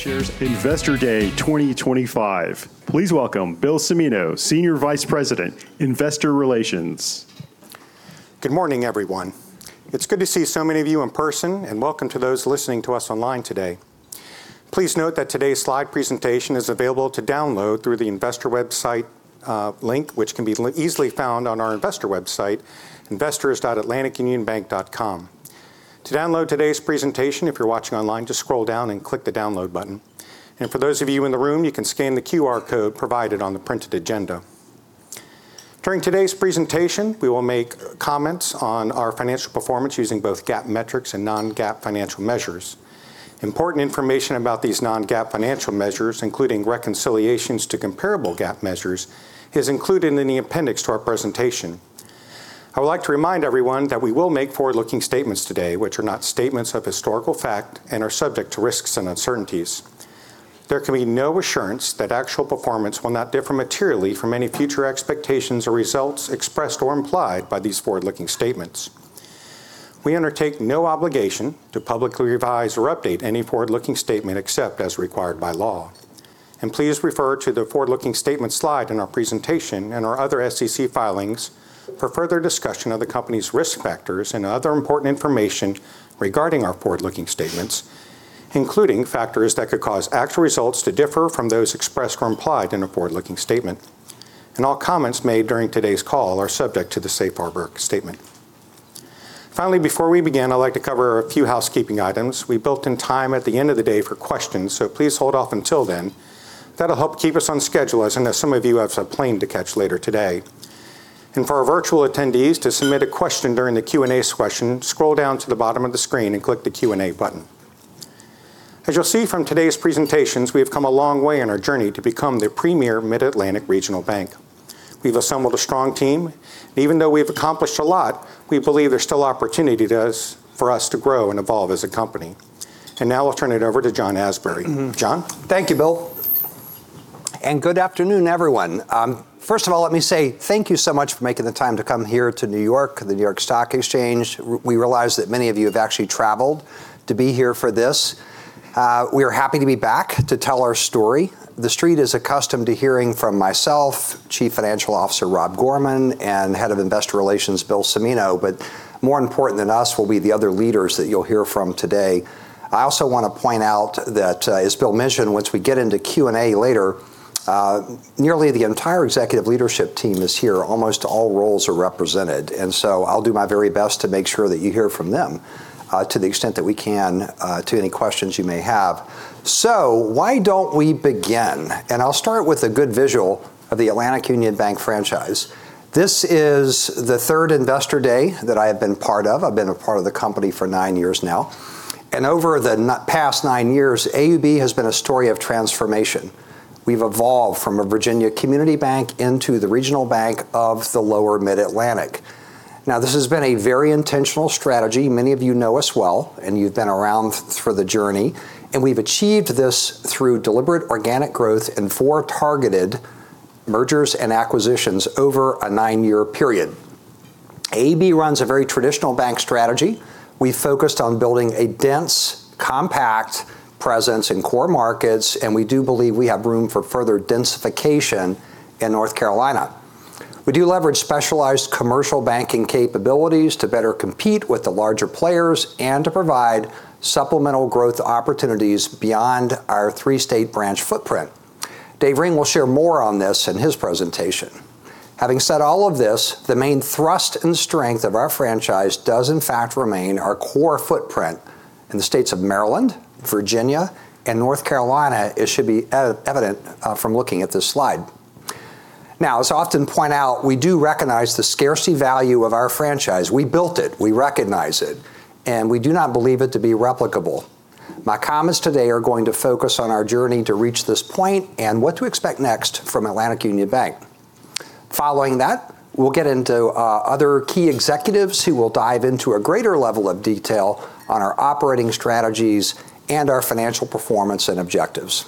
Atlantic Union Bankshares Investor Day 2025. Please welcome Bill Cimino, Senior Vice President, Investor Relations. Good morning, everyone. It's good to see so many of you in person, and welcome to those listening to us online today. Please note that today's slide presentation is available to download through the Investor website link, which can be easily found on our Investor website, investors.atlanticunionbank.com. To download today's presentation, if you're watching online, just scroll down and click the download button. And for those of you in the room, you can scan the QR code provided on the printed agenda. During today's presentation, we will make comments on our financial performance using both GAAP metrics and non-GAAP financial measures. Important information about these non-GAAP financial measures, including reconciliations to comparable GAAP measures, is included in the appendix to our presentation. I would like to remind everyone that we will make forward-looking statements today, which are not statements of historical fact and are subject to risks and uncertainties. There can be no assurance that actual performance will not differ materially from any future expectations or results expressed or implied by these forward-looking statements. We undertake no obligation to publicly revise or update any forward-looking statement except as required by law. And please refer to the forward-looking statement slide in our presentation and our other SEC filings for further discussion of the company's risk factors and other important information regarding our forward-looking statements, including factors that could cause actual results to differ from those expressed or implied in a forward-looking statement. And all comments made during today's call are subject to the Safe Harbor Statement. Finally, before we begin, I'd like to cover a few housekeeping items. We've built in time at the end of the day for questions, so please hold off until then. That'll help keep us on schedule as some of you have a plane to catch later today. And for our virtual attendees, to submit a question during the Q&A session, scroll down to the bottom of the screen and click the Q&A button. As you'll see from today's presentations, we have come a long way in our journey to become the Premier Mid-Atlantic Regional Bank. We've assembled a strong team. And even though we've accomplished a lot, we believe there's still opportunity for us to grow and evolve as a company. And now I'll turn it over to John Asbury. John? Thank you, Bill. And good afternoon, everyone. First of all, let me say thank you so much for making the time to come here to New York, the New York Stock Exchange. We realize that many of you have actually traveled to be here for this. We are happy to be back to tell our story. The street is accustomed to hearing from myself, Chief Financial Officer Rob Gorman, and Head of Investor Relations Bill Cimino, but more important than us will be the other leaders that you'll hear from today. I also want to point out that, as Bill mentioned, once we get into Q&A later, nearly the entire executive leadership team is here. Almost all roles are represented. And so I'll do my very best to make sure that you hear from them to the extent that we can to any questions you may have. So why don't we begin? And I'll start with a good visual of the Atlantic Union Bank franchise. This is the third Investor Day that I have been part of. I've been a part of the company for nine years now. And over the past nine years, AUB has been a story of transformation. We've evolved from a Virginia Community Bank into the regional bank of the lower Mid-Atlantic. Now, this has been a very intentional strategy. Many of you know us well, and you've been around for the journey. And we've achieved this through deliberate organic growth and four targeted mergers and acquisitions over a nine-year period. AUB runs a very traditional bank strategy. We've focused on building a dense, compact presence in core markets, and we do believe we have room for further densification in North Carolina. We do leverage specialized commercial banking capabilities to better compete with the larger players and to provide supplemental growth opportunities beyond our three-state branch footprint. Dave Ring will share more on this in his presentation. Having said all of this, the main thrust and strength of our franchise does, in fact, remain our core footprint in the states of Maryland, Virginia, and North Carolina. It should be evident from looking at this slide. Now, as I often point out, we do recognize the scarcity value of our franchise. We built it. We recognize it. And we do not believe it to be replicable. My comments today are going to focus on our journey to reach this point and what to expect next from Atlantic Union Bank. Following that, we'll get into other key executives who will dive into a greater level of detail on our operating strategies and our financial performance and objectives.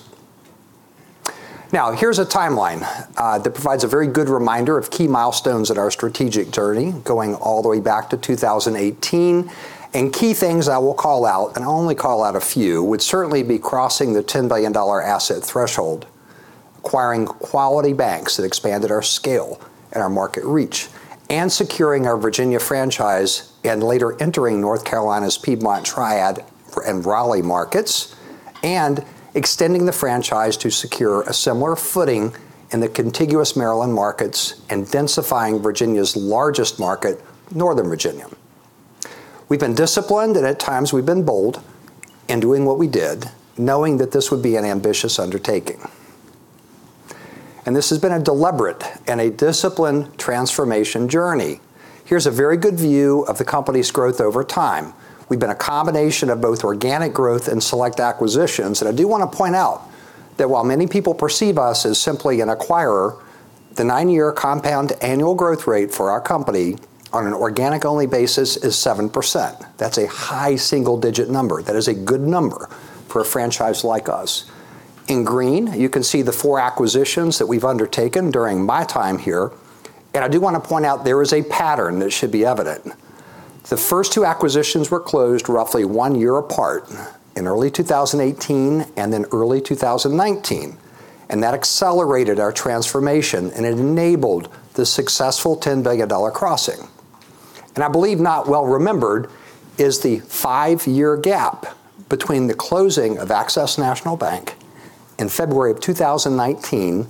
Now, here's a timeline that provides a very good reminder of key milestones in our strategic journey going all the way back to 2018. And key things I will call out, and I'll only call out a few, would certainly be crossing the $10 billion asset threshold, acquiring quality banks that expanded our scale and our market reach, and securing our Virginia franchise and later entering North Carolina's Piedmont Triad and Raleigh markets, and extending the franchise to secure a similar footing in the contiguous Maryland markets and densifying Virginia's largest market, Northern Virginia. We've been disciplined, and at times we've been bold in doing what we did, knowing that this would be an ambitious undertaking. This has been a deliberate and a disciplined transformation journey. Here's a very good view of the company's growth over time. We've been a combination of both organic growth and select acquisitions. I do want to point out that while many people perceive us as simply an acquirer, the nine-year compound annual growth rate for our company on an organic-only basis is 7%. That's a high single-digit number. That is a good number for a franchise like us. In green, you can see the four acquisitions that we've undertaken during my time here. I do want to point out there is a pattern that should be evident. The first two acquisitions were closed roughly one year apart in early 2018 and then early 2019. That accelerated our transformation and enabled the successful $10 billion crossing. I believe not well remembered is the five-year gap between the closing of Access National Bank in February of 2019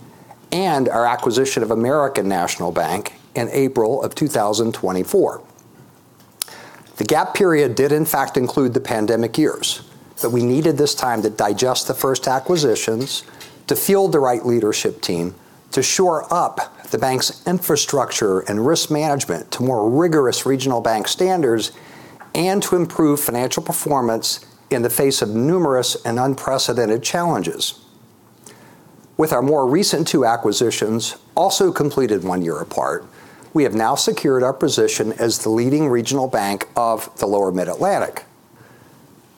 and our acquisition of American National Bank in April of 2024. The gap period did, in fact, include the pandemic years. We needed this time to digest the first acquisitions, to field the right leadership team, to shore up the bank's infrastructure and risk management to more rigorous regional bank standards, and to improve financial performance in the face of numerous and unprecedented challenges. With our more recent two acquisitions, also completed one year apart, we have now secured our position as the leading regional bank of the lower Mid-Atlantic.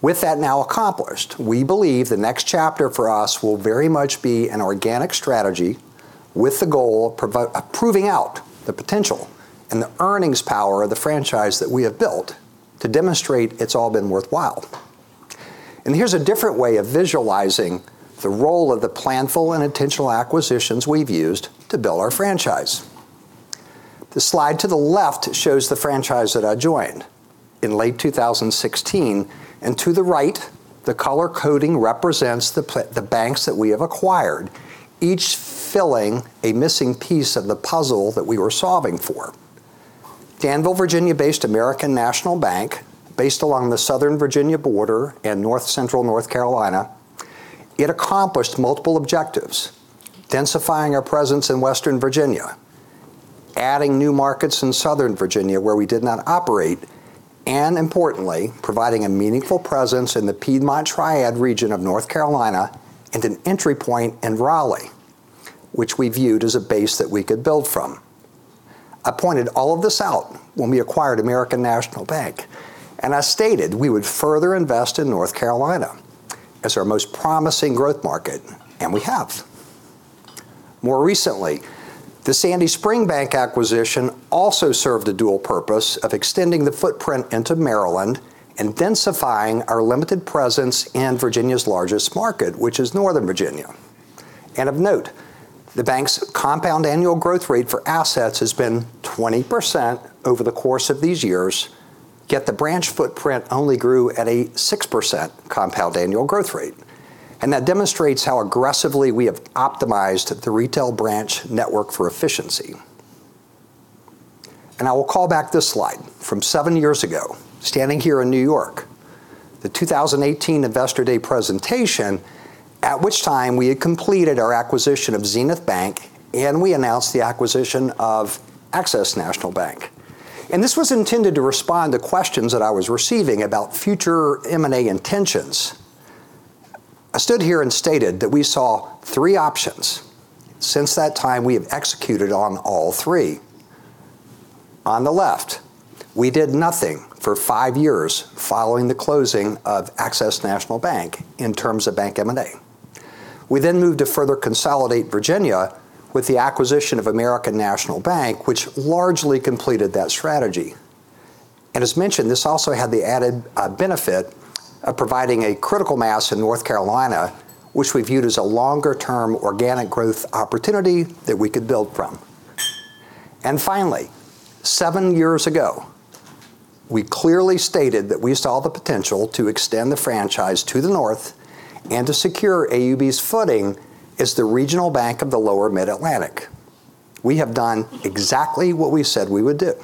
With that now accomplished, we believe the next chapter for us will very much be an organic strategy with the goal of proving out the potential and the earnings power of the franchise that we have built to demonstrate it's all been worthwhile. And here's a different way of visualizing the role of the planful and intentional acquisitions we've used to build our franchise. The slide to the left shows the franchise that I joined in late 2016. And to the right, the color coding represents the banks that we have acquired, each filling a missing piece of the puzzle that we were solving for. Danville, Virginia-based American National Bank, based along the southern Virginia border and north-central North Carolina. It accomplished multiple objectives: densifying our presence in western Virginia, adding new markets in Southern Virginia where we did not operate, and importantly, providing a meaningful presence in the Piedmont Triad region of North Carolina and an entry point in Raleigh, which we viewed as a base that we could build from. I pointed all of this out when we acquired American National Bank, and I stated we would further invest in North Carolina as our most promising growth market, and we have. More recently, the Sandy Spring Bank acquisition also served a dual purpose of extending the footprint into Maryland and densifying our limited presence in Virginia's largest market, which is Northern Virginia. Of note, the bank's compound annual growth rate for assets has been 20% over the course of these years, yet the branch footprint only grew at a 6% compound annual growth rate. That demonstrates how aggressively we have optimized the retail branch network for efficiency. I will call back this slide from seven years ago, standing here in New York, the 2018 Investor Day presentation, at which time we had completed our acquisition of Xenith Bank, and we announced the acquisition of Access National Bank. This was intended to respond to questions that I was receiving about future M&A intentions. I stood here and stated that we saw three options. Since that time, we have executed on all three. On the left, we did nothing for five years following the closing of Access National Bank in terms of bank M&A. We then moved to further consolidate Virginia with the acquisition of American National Bank, which largely completed that strategy, and as mentioned, this also had the added benefit of providing a critical mass in North Carolina, which we viewed as a longer-term organic growth opportunity that we could build from, and finally, seven years ago, we clearly stated that we saw the potential to extend the franchise to the north and to secure AUB's footing as the regional bank of the lower Mid-Atlantic. We have done exactly what we said we would do,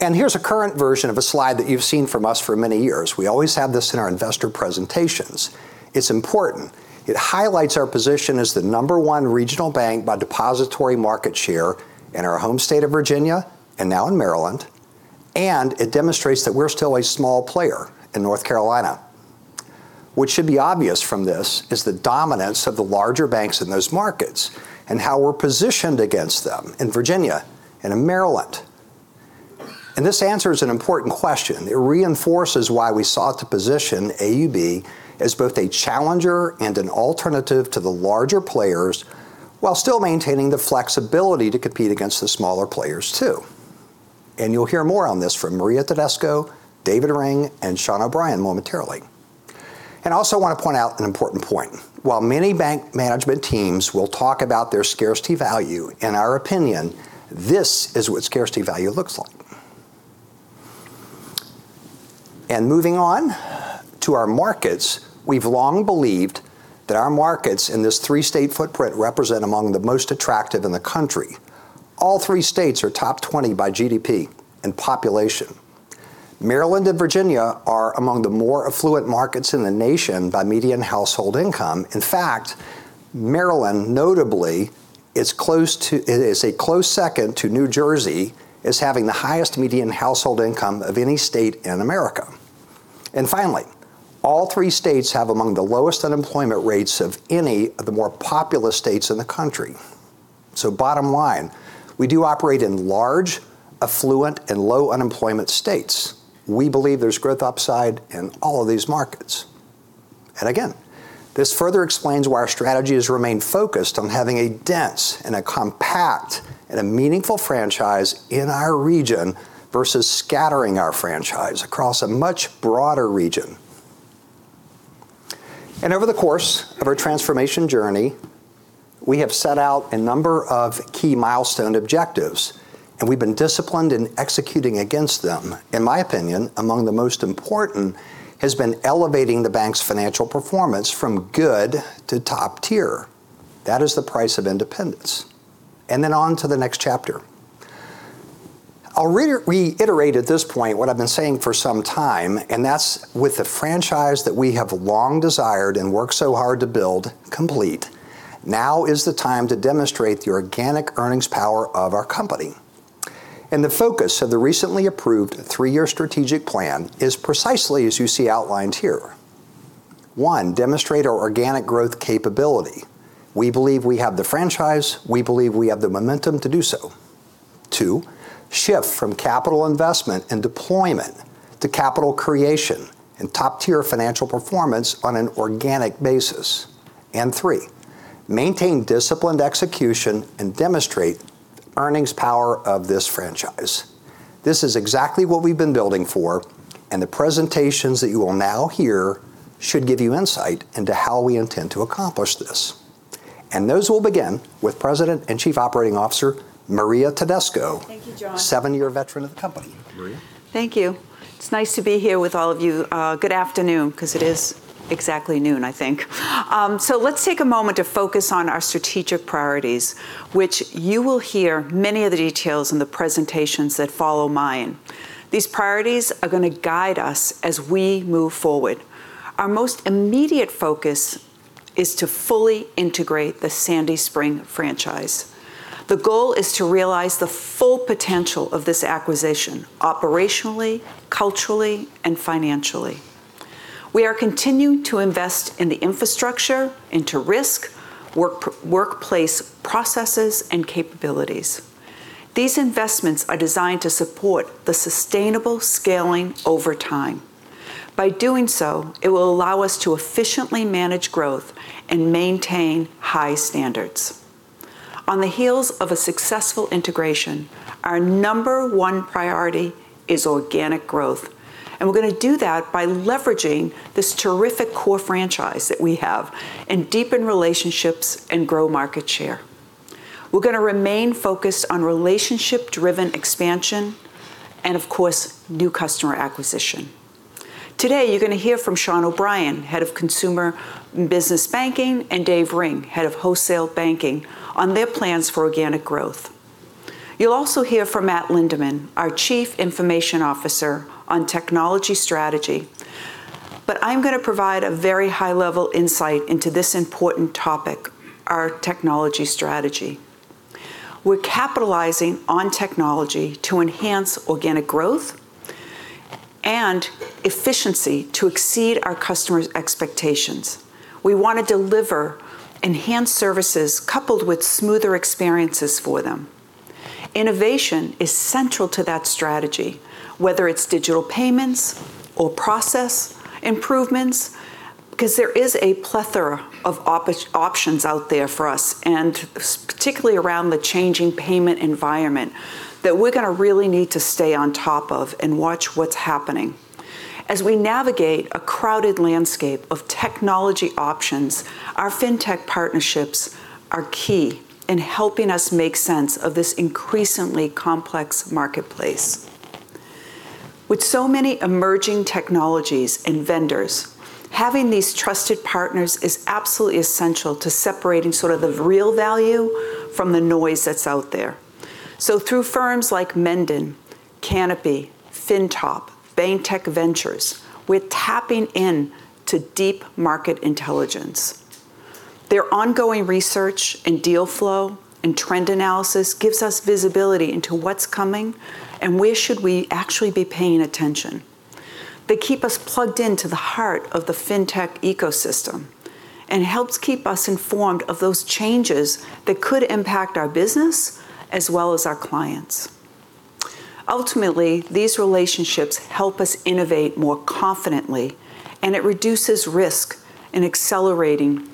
and here's a current version of a slide that you've seen from us for many years. We always have this in our investor presentations. It's important. It highlights our position as the number one regional bank by depository market share in our home state of Virginia, and now in Maryland, and it demonstrates that we're still a small player in North Carolina. What should be obvious from this is the dominance of the larger banks in those markets and how we're positioned against them in Virginia and in Maryland. And this answers an important question. It reinforces why we sought to position AUB as both a challenger and an alternative to the larger players while still maintaining the flexibility to compete against the smaller players too. And you'll hear more on this from Maria Tedesco, David Ring, and Shawn O'Brien momentarily. And I also want to point out an important point. While many bank management teams will talk about their scarcity value, in our opinion, this is what scarcity value looks like. And moving on to our markets, we've long believed that our markets in this three-state footprint represent among the most attractive in the country. All three states are top 20 by GDP and population. Maryland and Virginia are among the more affluent markets in the nation by median household income. In fact, Maryland, notably, is a close second to New Jersey as having the highest median household income of any state in America. And finally, all three states have among the lowest unemployment rates of any of the more populous states in the country. So bottom line, we do operate in large, affluent, and low unemployment states. We believe there's growth upside in all of these markets. And again, this further explains why our strategy has remained focused on having a dense and a compact and a meaningful franchise in our region versus scattering our franchise across a much broader region. And over the course of our transformation journey, we have set out a number of key milestone objectives. And we've been disciplined in executing against them. In my opinion, among the most important has been elevating the bank's financial performance from good to top tier. That is the price of independence. And then on to the next chapter. I'll reiterate at this point what I've been saying for some time, and that's with the franchise that we have long desired and worked so hard to build, complete. Now is the time to demonstrate the organic earnings power of our company. The focus of the recently approved three-year strategic plan is precisely as you see outlined here. One, demonstrate our organic growth capability. We believe we have the franchise. We believe we have the momentum to do so. Two, shift from capital investment and deployment to capital creation and top-tier financial performance on an organic basis. Three, maintain disciplined execution and demonstrate the earnings power of this franchise. This is exactly what we've been building for, and the presentations that you will now hear should give you insight into how we intend to accomplish this. Those will begin with President and Chief Operating Officer Maria Tedesco. Thank you, John. Seven-year veteran of the company. Thank you. It's nice to be here with all of you. Good afternoon, because it is exactly noon, I think. So let's take a moment to focus on our strategic priorities, which you will hear many of the details in the presentations that follow mine. These priorities are going to guide us as we move forward. Our most immediate focus is to fully integrate the Sandy Spring franchise. The goal is to realize the full potential of this acquisition operationally, culturally, and financially. We are continuing to invest in the infrastructure, into risk, workplace processes, and capabilities. These investments are designed to support the sustainable scaling over time. By doing so, it will allow us to efficiently manage growth and maintain high standards. On the heels of a successful integration, our number one priority is organic growth. And we're going to do that by leveraging this terrific core franchise that we have and deepen relationships and grow market share. We're going to remain focused on relationship-driven expansion and, of course, new customer acquisition. Today, you're going to hear from Shawn O'Brien, Head of Consumer and Business Banking, and Dave Ring, Head of Wholesale Banking, on their plans for organic growth. You'll also hear from Matt Linderman, our Chief Information Officer, on technology strategy. But I'm going to provide a very high-level insight into this important topic, our technology strategy. We're capitalizing on technology to enhance organic growth and efficiency to exceed our customers' expectations. We want to deliver enhanced services coupled with smoother experiences for them. Innovation is central to that strategy, whether it's digital payments or process improvements, because there is a plethora of options out there for us, and particularly around the changing payment environment that we're going to really need to stay on top of and watch what's happening. As we navigate a crowded landscape of technology options, our fintech partnerships are key in helping us make sense of this increasingly complex marketplace. With so many emerging technologies and vendors, having these trusted partners is absolutely essential to separating sort of the real value from the noise that's out there. So through firms like Mendon, Canopy, FINTOP, BankTech Ventures, we're tapping into deep market intelligence. Their ongoing research and deal flow and trend analysis gives us visibility into what's coming and where should we actually be paying attention. They keep us plugged into the heart of the fintech ecosystem and helps keep us informed of those changes that could impact our business as well as our clients. Ultimately, these relationships help us innovate more confidently, and it reduces risk in accelerating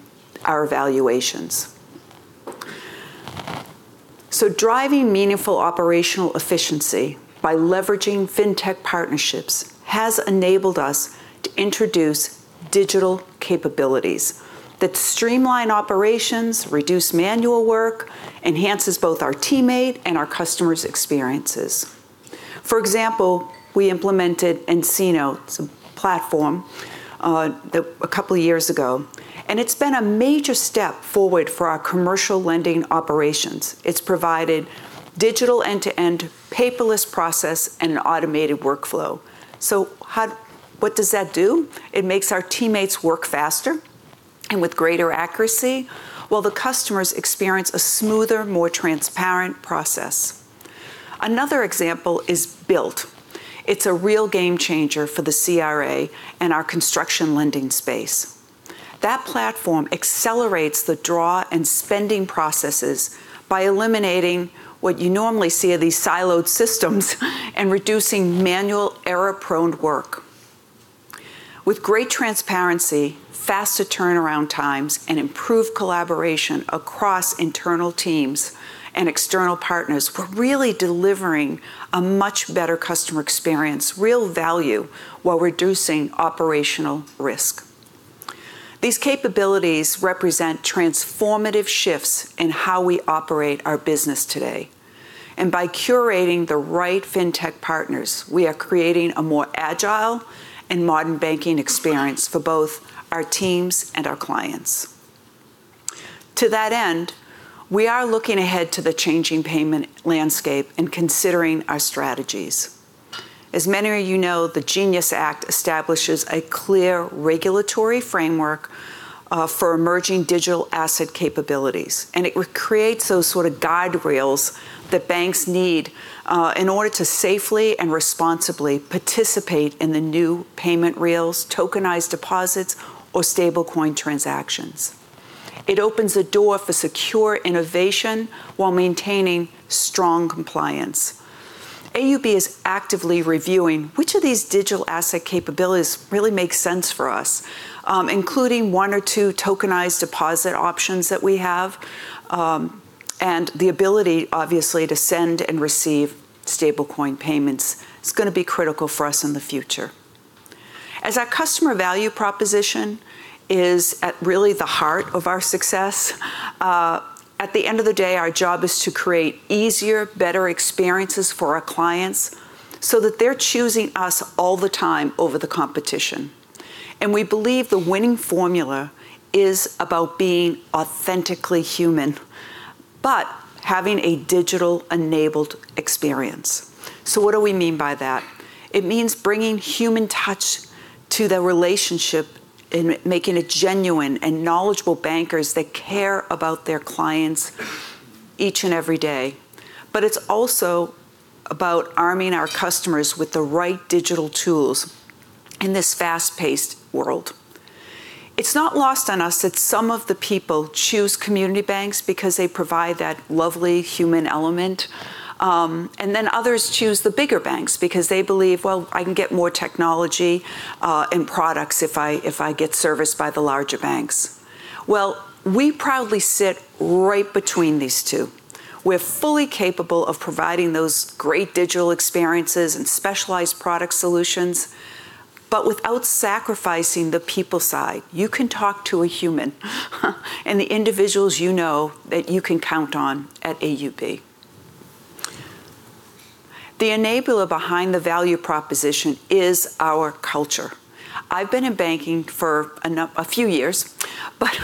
our valuations. Driving meaningful operational efficiency by leveraging fintech partnerships has enabled us to introduce digital capabilities that streamline operations, reduce manual work, and enhance both our teammate and our customers' experiences. For example, we implemented nCino's platform a couple of years ago, and it's been a major step forward for our commercial lending operations. It's provided digital end-to-end, paperless process, and an automated workflow. What does that do? It makes our teammates work faster and with greater accuracy while the customers experience a smoother, more transparent process. Another example is Built. It's a real game changer for the CRA and our construction lending space. That platform accelerates the draw and spending processes by eliminating what you normally see are these siloed systems and reducing manual error-prone work. With great transparency, faster turnaround times, and improved collaboration across internal teams and external partners, we're really delivering a much better customer experience, real value while reducing operational risk. These capabilities represent transformative shifts in how we operate our business today, and by curating the right fintech partners, we are creating a more agile and modern banking experience for both our teams and our clients. To that end, we are looking ahead to the changing payment landscape and considering our strategies. As many of you know, the GENIUS Act establishes a clear regulatory framework for emerging digital asset capabilities, and it creates those sort of guide rails that banks need in order to safely and responsibly participate in the new payment rails, tokenized deposits, or stablecoin transactions. It opens the door for secure innovation while maintaining strong compliance. AUB is actively reviewing which of these digital asset capabilities really make sense for us, including one or two tokenized deposit options that we have and the ability, obviously, to send and receive stablecoin payments. It's going to be critical for us in the future. As our customer value proposition is at really the heart of our success, at the end of the day, our job is to create easier, better experiences for our clients so that they're choosing us all the time over the competition. And we believe the winning formula is about being authentically human but having a digital-enabled experience. So what do we mean by that? It means bringing human touch to the relationship and making it genuine and knowledgeable bankers that care about their clients each and every day. But it's also about arming our customers with the right digital tools in this fast-paced world. It's not lost on us that some of the people choose community banks because they provide that lovely human element. And then others choose the bigger banks because they believe, "Well, I can get more technology and products if I get serviced by the larger banks." Well, we proudly sit right between these two. We're fully capable of providing those great digital experiences and specialized product solutions. But without sacrificing the people side, you can talk to a human and the individuals you know that you can count on at AUB. The enabler behind the value proposition is our culture. I've been in banking for a few years, but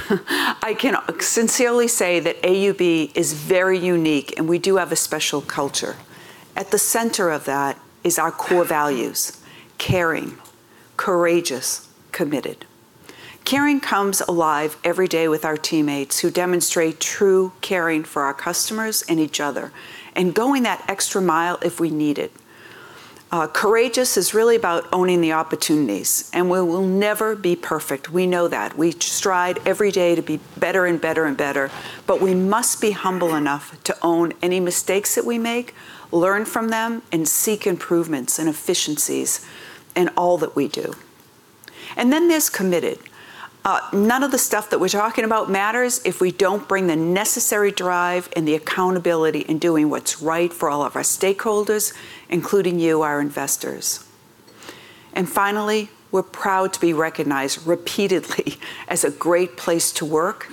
I can sincerely say that AUB is very unique, and we do have a special culture. At the center of that is our core values: caring, courageous, committed. Caring comes alive every day with our teammates who demonstrate true caring for our customers and each other and going that extra mile if we need it. Courageous is really about owning the opportunities, and we will never be perfect. We know that. We strive every day to be better and better and better, but we must be humble enough to own any mistakes that we make, learn from them, and seek improvements and efficiencies in all that we do. And then there's committed. None of the stuff that we're talking about matters if we don't bring the necessary drive and the accountability in doing what's right for all of our stakeholders, including you, our investors. And finally, we're proud to be recognized repeatedly as a great place to work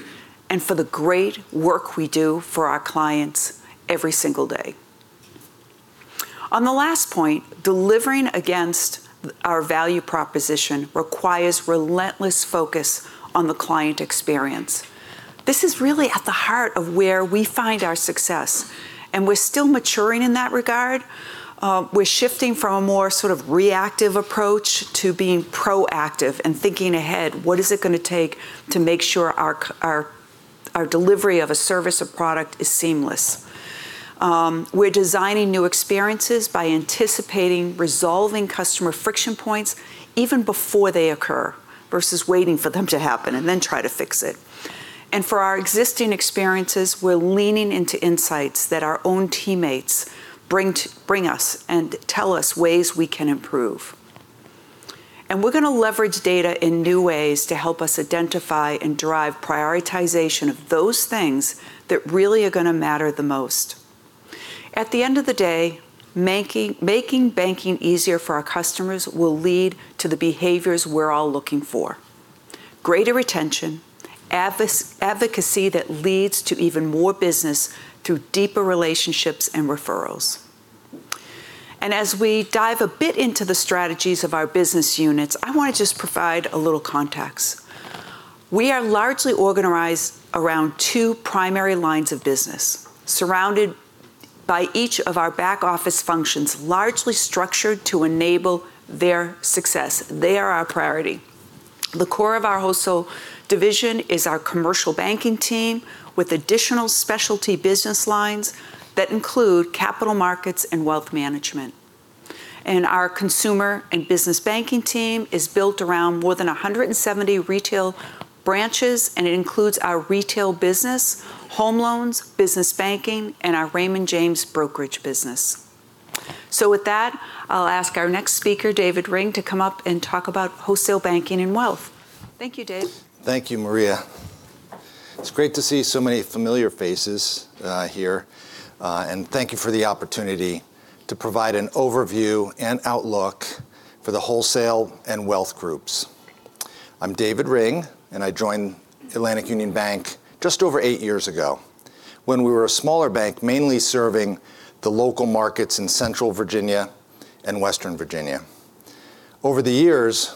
and for the great work we do for our clients every single day. On the last point, delivering against our value proposition requires relentless focus on the client experience. This is really at the heart of where we find our success. And we're still maturing in that regard. We're shifting from a more sort of reactive approach to being proactive and thinking ahead. What is it going to take to make sure our delivery of a service or product is seamless? We're designing new experiences by anticipating resolving customer friction points even before they occur versus waiting for them to happen and then try to fix it. And for our existing experiences, we're leaning into insights that our own teammates bring us and tell us ways we can improve. And we're going to leverage data in new ways to help us identify and drive prioritization of those things that really are going to matter the most. At the end of the day, making banking easier for our customers will lead to the behaviors we're all looking for: greater retention, advocacy that leads to even more business through deeper relationships and referrals. And as we dive a bit into the strategies of our business units, I want to just provide a little context. We are largely organized around two primary lines of business, surrounded by each of our back office functions largely structured to enable their success. They are our priority. The core of our wholesale division is our commercial banking team with additional specialty business lines that include capital markets and wealth management. And our Consumer and Business Banking team is built around more than 170 retail branches, and it includes our retail business, home loans, business banking, and our Raymond James brokerage business. So with that, I'll ask our next speaker, David Ring, to come up and talk about wholesale banking and wealth. Thank you, Dave. Thank you, Maria. It's great to see so many familiar faces here. And thank you for the opportunity to provide an overview and outlook for the wholesale and wealth groups. I'm David Ring, and I joined Atlantic Union Bank just over eight years ago when we were a smaller bank mainly serving the local markets in Central Virginia and Western Virginia. Over the years,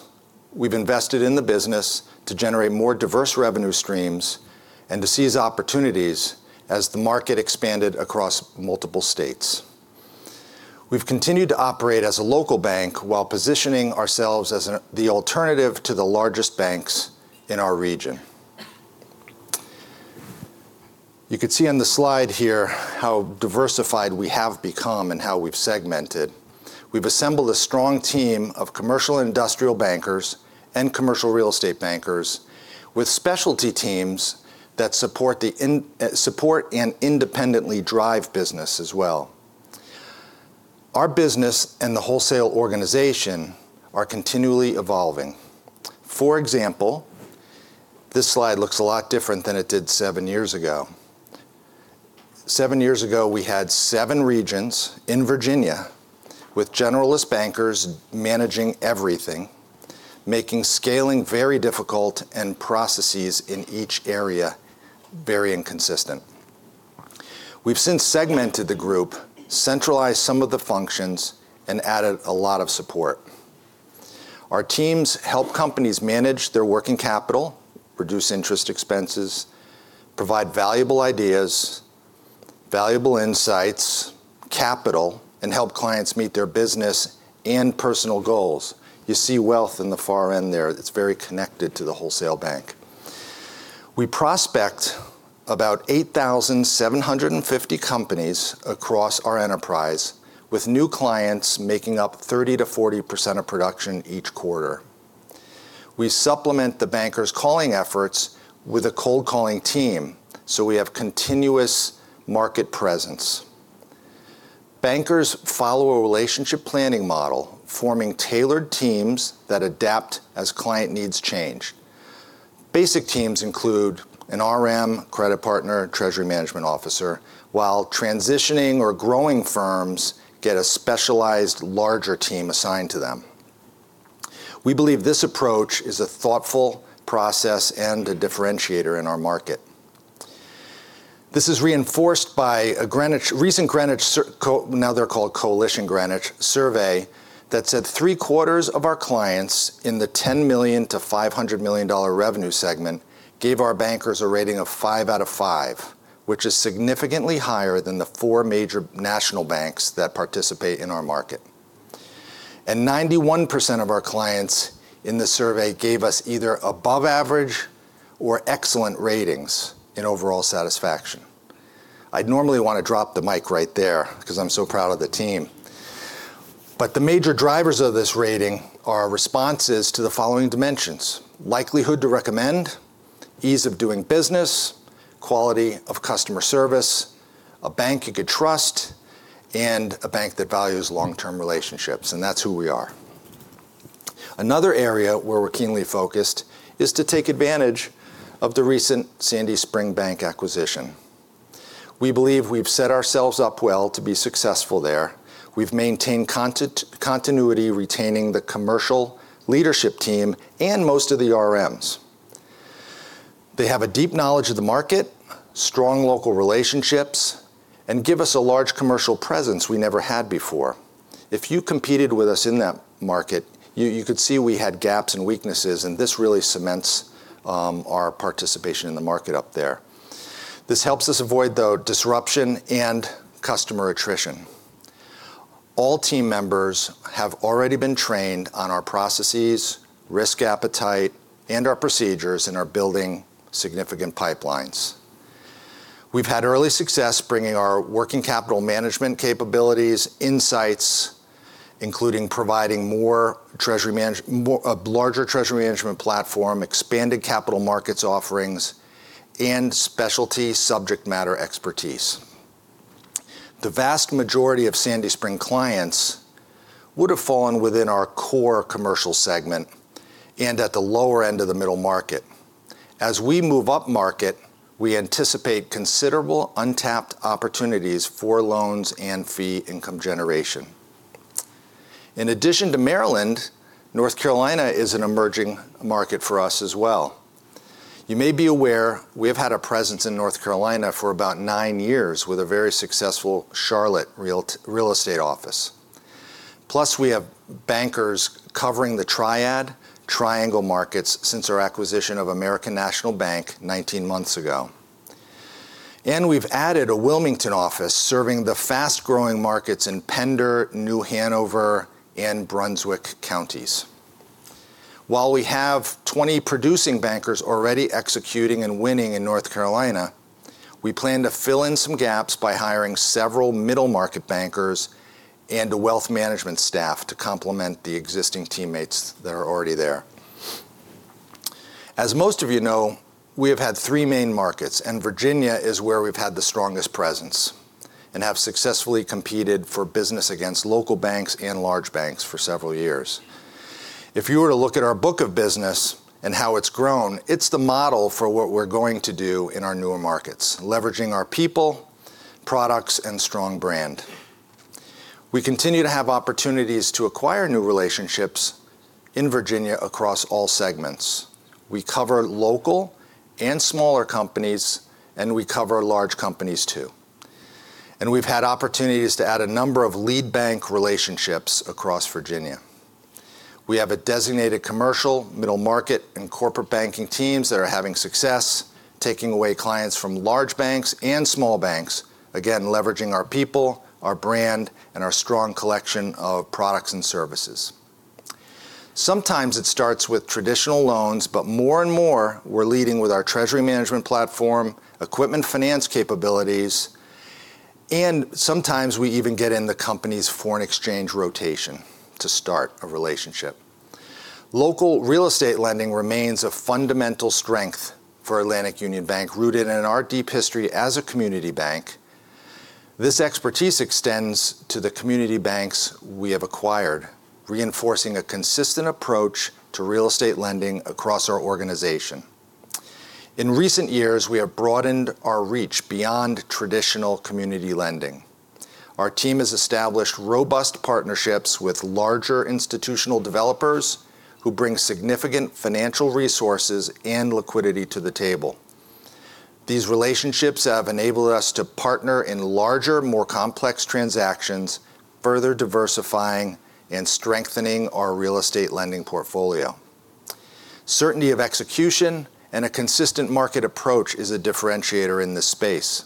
we've invested in the business to generate more diverse revenue streams and to seize opportunities as the market expanded across multiple states. We've continued to operate as a local bank while positioning ourselves as the alternative to the largest banks in our region. You can see on the slide here how diversified we have become and how we've segmented. We've assembled a strong team of commercial industrial bankers and commercial real estate bankers with specialty teams that support and independently drive business as well. Our business and the wholesale organization are continually evolving. For example, this slide looks a lot different than it did seven years ago. Seven years ago, we had seven regions in Virginia with generalist bankers managing everything, making scaling very difficult and processes in each area very inconsistent. We've since segmented the group, centralized some of the functions, and added a lot of support. Our teams help companies manage their working capital, reduce interest expenses, provide valuable ideas, valuable insights, capital, and help clients meet their business and personal goals. You see wealth in the far end there. It's very connected to the wholesale bank. We prospect about 8,750 companies across our enterprise, with new clients making up 30%-40% of production each quarter. We supplement the bankers' calling efforts with a cold-calling team, so we have continuous market presence. Bankers follow a relationship planning model, forming tailored teams that adapt as client needs change. Basic teams include an RM, credit partner, and treasury management officer, while transitioning or growing firms get a specialized larger team assigned to them. We believe this approach is a thoughtful process and a differentiator in our market. This is reinforced by a recent Greenwich, now they're called Coalition Greenwich, survey that said three-quarters of our clients in the $10 million-$500 million revenue segment gave our bankers a rating of five out of five, which is significantly higher than the four major national banks that participate in our market. And 91% of our clients in the survey gave us either above average or excellent ratings in overall satisfaction. I'd normally want to drop the mic right there because I'm so proud of the team. But the major drivers of this rating are responses to the following dimensions: likelihood to recommend, ease of doing business, quality of customer service, a bank you could trust, and a bank that values long-term relationships. And that's who we are. Another area where we're keenly focused is to take advantage of the recent Sandy Spring Bank acquisition. We believe we've set ourselves up well to be successful there. We've maintained continuity, retaining the commercial leadership team and most of the RMs. They have a deep knowledge of the market, strong local relationships, and give us a large commercial presence we never had before. If you competed with us in that market, you could see we had gaps and weaknesses, and this really cements our participation in the market up there. This helps us avoid, though, disruption and customer attrition. All team members have already been trained on our processes, risk appetite, and our procedures and are building significant pipelines. We've had early success bringing our working capital management capabilities, insights, including providing a larger treasury management platform, expanded capital markets offerings, and specialty subject matter expertise. The vast majority of Sandy Spring clients would have fallen within our core commercial segment and at the lower end of the middle market. As we move up market, we anticipate considerable untapped opportunities for loans and fee income generation. In addition to Maryland, North Carolina is an emerging market for us as well. You may be aware, we have had a presence in North Carolina for about nine years with a very successful Charlotte real estate office. Plus, we have bankers covering the Triad, Triangle markets since our acquisition of American National Bank 19 months ago. And we've added a Wilmington office serving the fast-growing markets in Pender, New Hanover, and Brunswick counties. While we have 20 producing bankers already executing and winning in North Carolina, we plan to fill in some gaps by hiring several middle market bankers and a Wealth Management staff to complement the existing teammates that are already there. As most of you know, we have had three main markets, and Virginia is where we've had the strongest presence and have successfully competed for business against local banks and large banks for several years. If you were to look at our book of business and how it's grown, it's the model for what we're going to do in our newer markets, leveraging our people, products, and strong brand. We continue to have opportunities to acquire new relationships in Virginia across all segments. We cover local and smaller companies, and we cover large companies too. And we've had opportunities to add a number of lead bank relationships across Virginia. We have a designated commercial, middle market, and corporate banking teams that are having success, taking away clients from large banks and small banks, again, leveraging our people, our brand, and our strong collection of products and services. Sometimes it starts with traditional loans, but more and more, we're leading with our treasury management platform, equipment finance capabilities, and sometimes we even get in the company's foreign exchange rotation to start a relationship. Local real estate lending remains a fundamental strength for Atlantic Union Bank, rooted in our deep history as a community bank. This expertise extends to the community banks we have acquired, reinforcing a consistent approach to real estate lending across our organization. In recent years, we have broadened our reach beyond traditional community lending. Our team has established robust partnerships with larger institutional developers who bring significant financial resources and liquidity to the table. These relationships have enabled us to partner in larger, more complex transactions, further diversifying and strengthening our real estate lending portfolio. Certainty of execution and a consistent market approach is a differentiator in this space.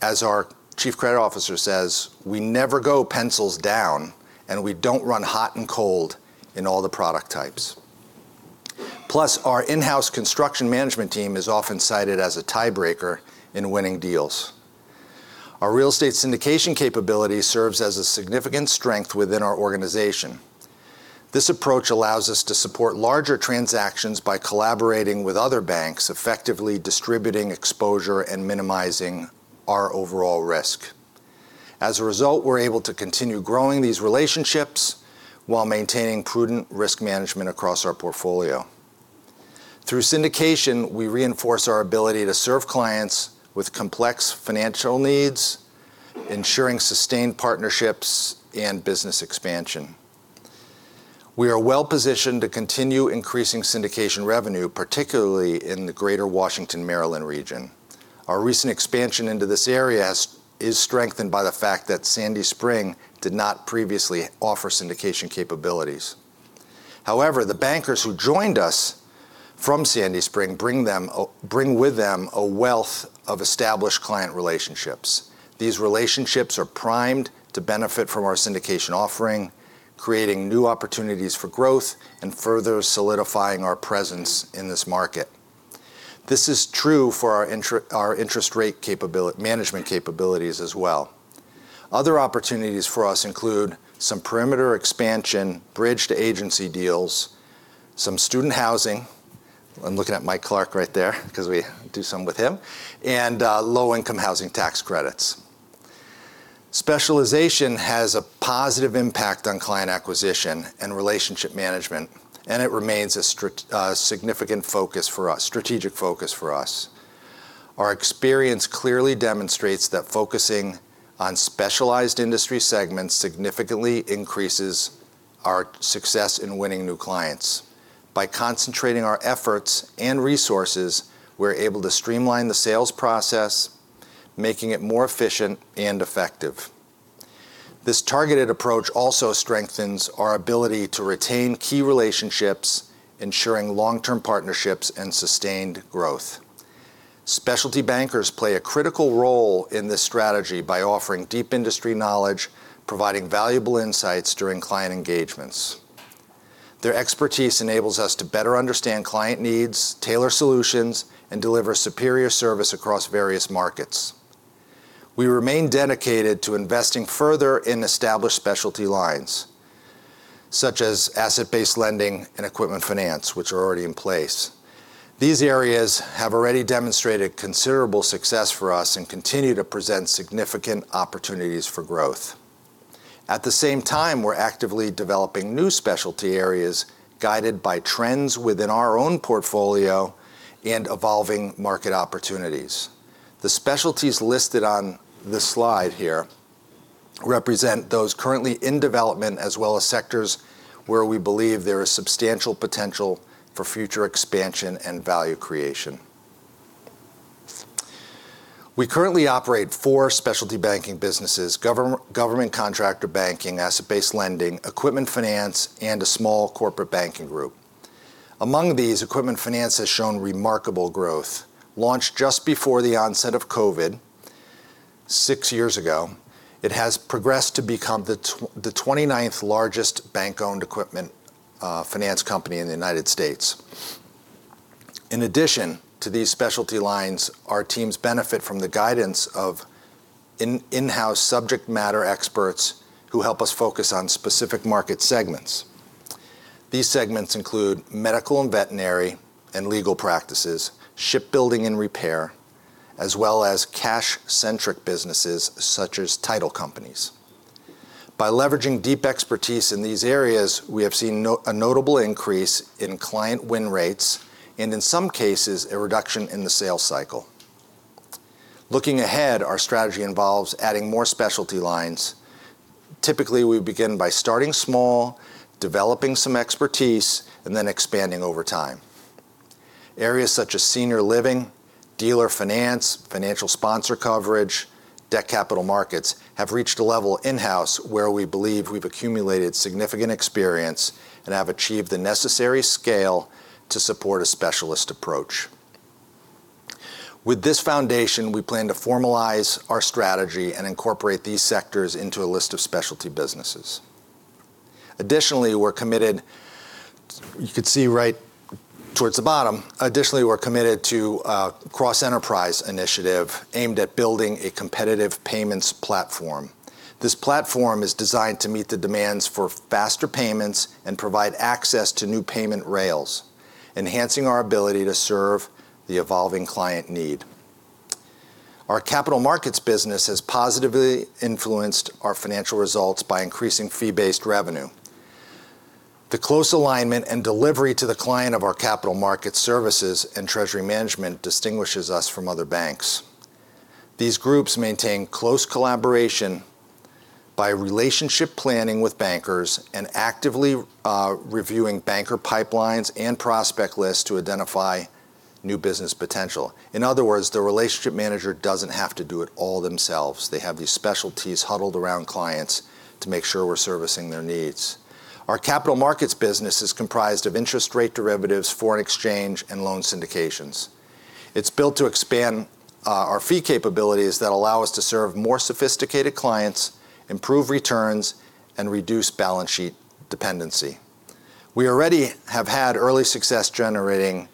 As our Chief Credit Officer says, we never go pencils down, and we don't run hot and cold in all the product types. Plus, our in-house construction management team is often cited as a tiebreaker in winning deals. Our real estate syndication capability serves as a significant strength within our organization. This approach allows us to support larger transactions by collaborating with other banks, effectively distributing exposure and minimizing our overall risk. As a result, we're able to continue growing these relationships while maintaining prudent risk management across our portfolio. Through syndication, we reinforce our ability to serve clients with complex financial needs, ensuring sustained partnerships and business expansion. We are well positioned to continue increasing syndication revenue, particularly in the Greater Washington, Maryland region. Our recent expansion into this area is strengthened by the fact that Sandy Spring did not previously offer syndication capabilities. However, the bankers who joined us from Sandy Spring bring with them a wealth of established client relationships. These relationships are primed to benefit from our syndication offering, creating new opportunities for growth and further solidifying our presence in this market. This is true for our interest rate management capabilities as well. Other opportunities for us include some perimeter expansion, bridge to agency deals, some student housing, I'm looking at Mike Clarke right there because we do some with him, and low-income housing tax credits. Specialization has a positive impact on client acquisition and relationship management, and it remains a significant strategic focus for us. Our experience clearly demonstrates that focusing on specialized industry segments significantly increases our success in winning new clients. By concentrating our efforts and resources, we're able to streamline the sales process, making it more efficient and effective. This targeted approach also strengthens our ability to retain key relationships, ensuring long-term partnerships and sustained growth. Specialty bankers play a critical role in this strategy by offering deep industry knowledge, providing valuable insights during client engagements. Their expertise enables us to better understand client needs, tailor solutions, and deliver superior service across various markets. We remain dedicated to investing further in established specialty lines, such as asset-based lending and equipment finance, which are already in place. These areas have already demonstrated considerable success for us and continue to present significant opportunities for growth. At the same time, we're actively developing new specialty areas guided by trends within our own portfolio and evolving market opportunities. The specialties listed on this slide here represent those currently in development as well as sectors where we believe there is substantial potential for future expansion and value creation. We currently operate four specialty banking businesses: government contractor banking, asset-based lending, equipment finance, and a small corporate banking group. Among these, equipment finance has shown remarkable growth. Launched just before the onset of COVID six years ago, it has progressed to become the 29th largest bank-owned equipment finance company in the United States. In addition to these specialty lines, our teams benefit from the guidance of in-house subject matter experts who help us focus on specific market segments. These segments include medical and veterinary and legal practices, shipbuilding and repair, as well as cash-centric businesses such as title companies. By leveraging deep expertise in these areas, we have seen a notable increase in client win rates and, in some cases, a reduction in the sales cycle. Looking ahead, our strategy involves adding more specialty lines. Typically, we begin by starting small, developing some expertise, and then expanding over time. Areas such as senior living, dealer finance, financial sponsor coverage, and debt capital markets have reached a level in-house where we believe we've accumulated significant experience and have achieved the necessary scale to support a specialist approach. With this foundation, we plan to formalize our strategy and incorporate these sectors into a list of specialty businesses. You could see right towards the bottom. Additionally, we're committed to a cross-enterprise initiative aimed at building a competitive payments platform. This platform is designed to meet the demands for faster payments and provide access to new payment rails, enhancing our ability to serve the evolving client need. Our capital markets business has positively influenced our financial results by increasing fee-based revenue. The close alignment and delivery to the client of our capital market services and treasury management distinguishes us from other banks. These groups maintain close collaboration by relationship planning with bankers and actively reviewing banker pipelines and prospect lists to identify new business potential. In other words, the relationship manager doesn't have to do it all themselves. They have these specialties huddled around clients to make sure we're servicing their needs. Our capital markets business is comprised of interest rate derivatives, foreign exchange, and loan syndications. It's built to expand our fee capabilities that allow us to serve more sophisticated clients, improve returns, and reduce balance sheet dependency. We already have had early success generating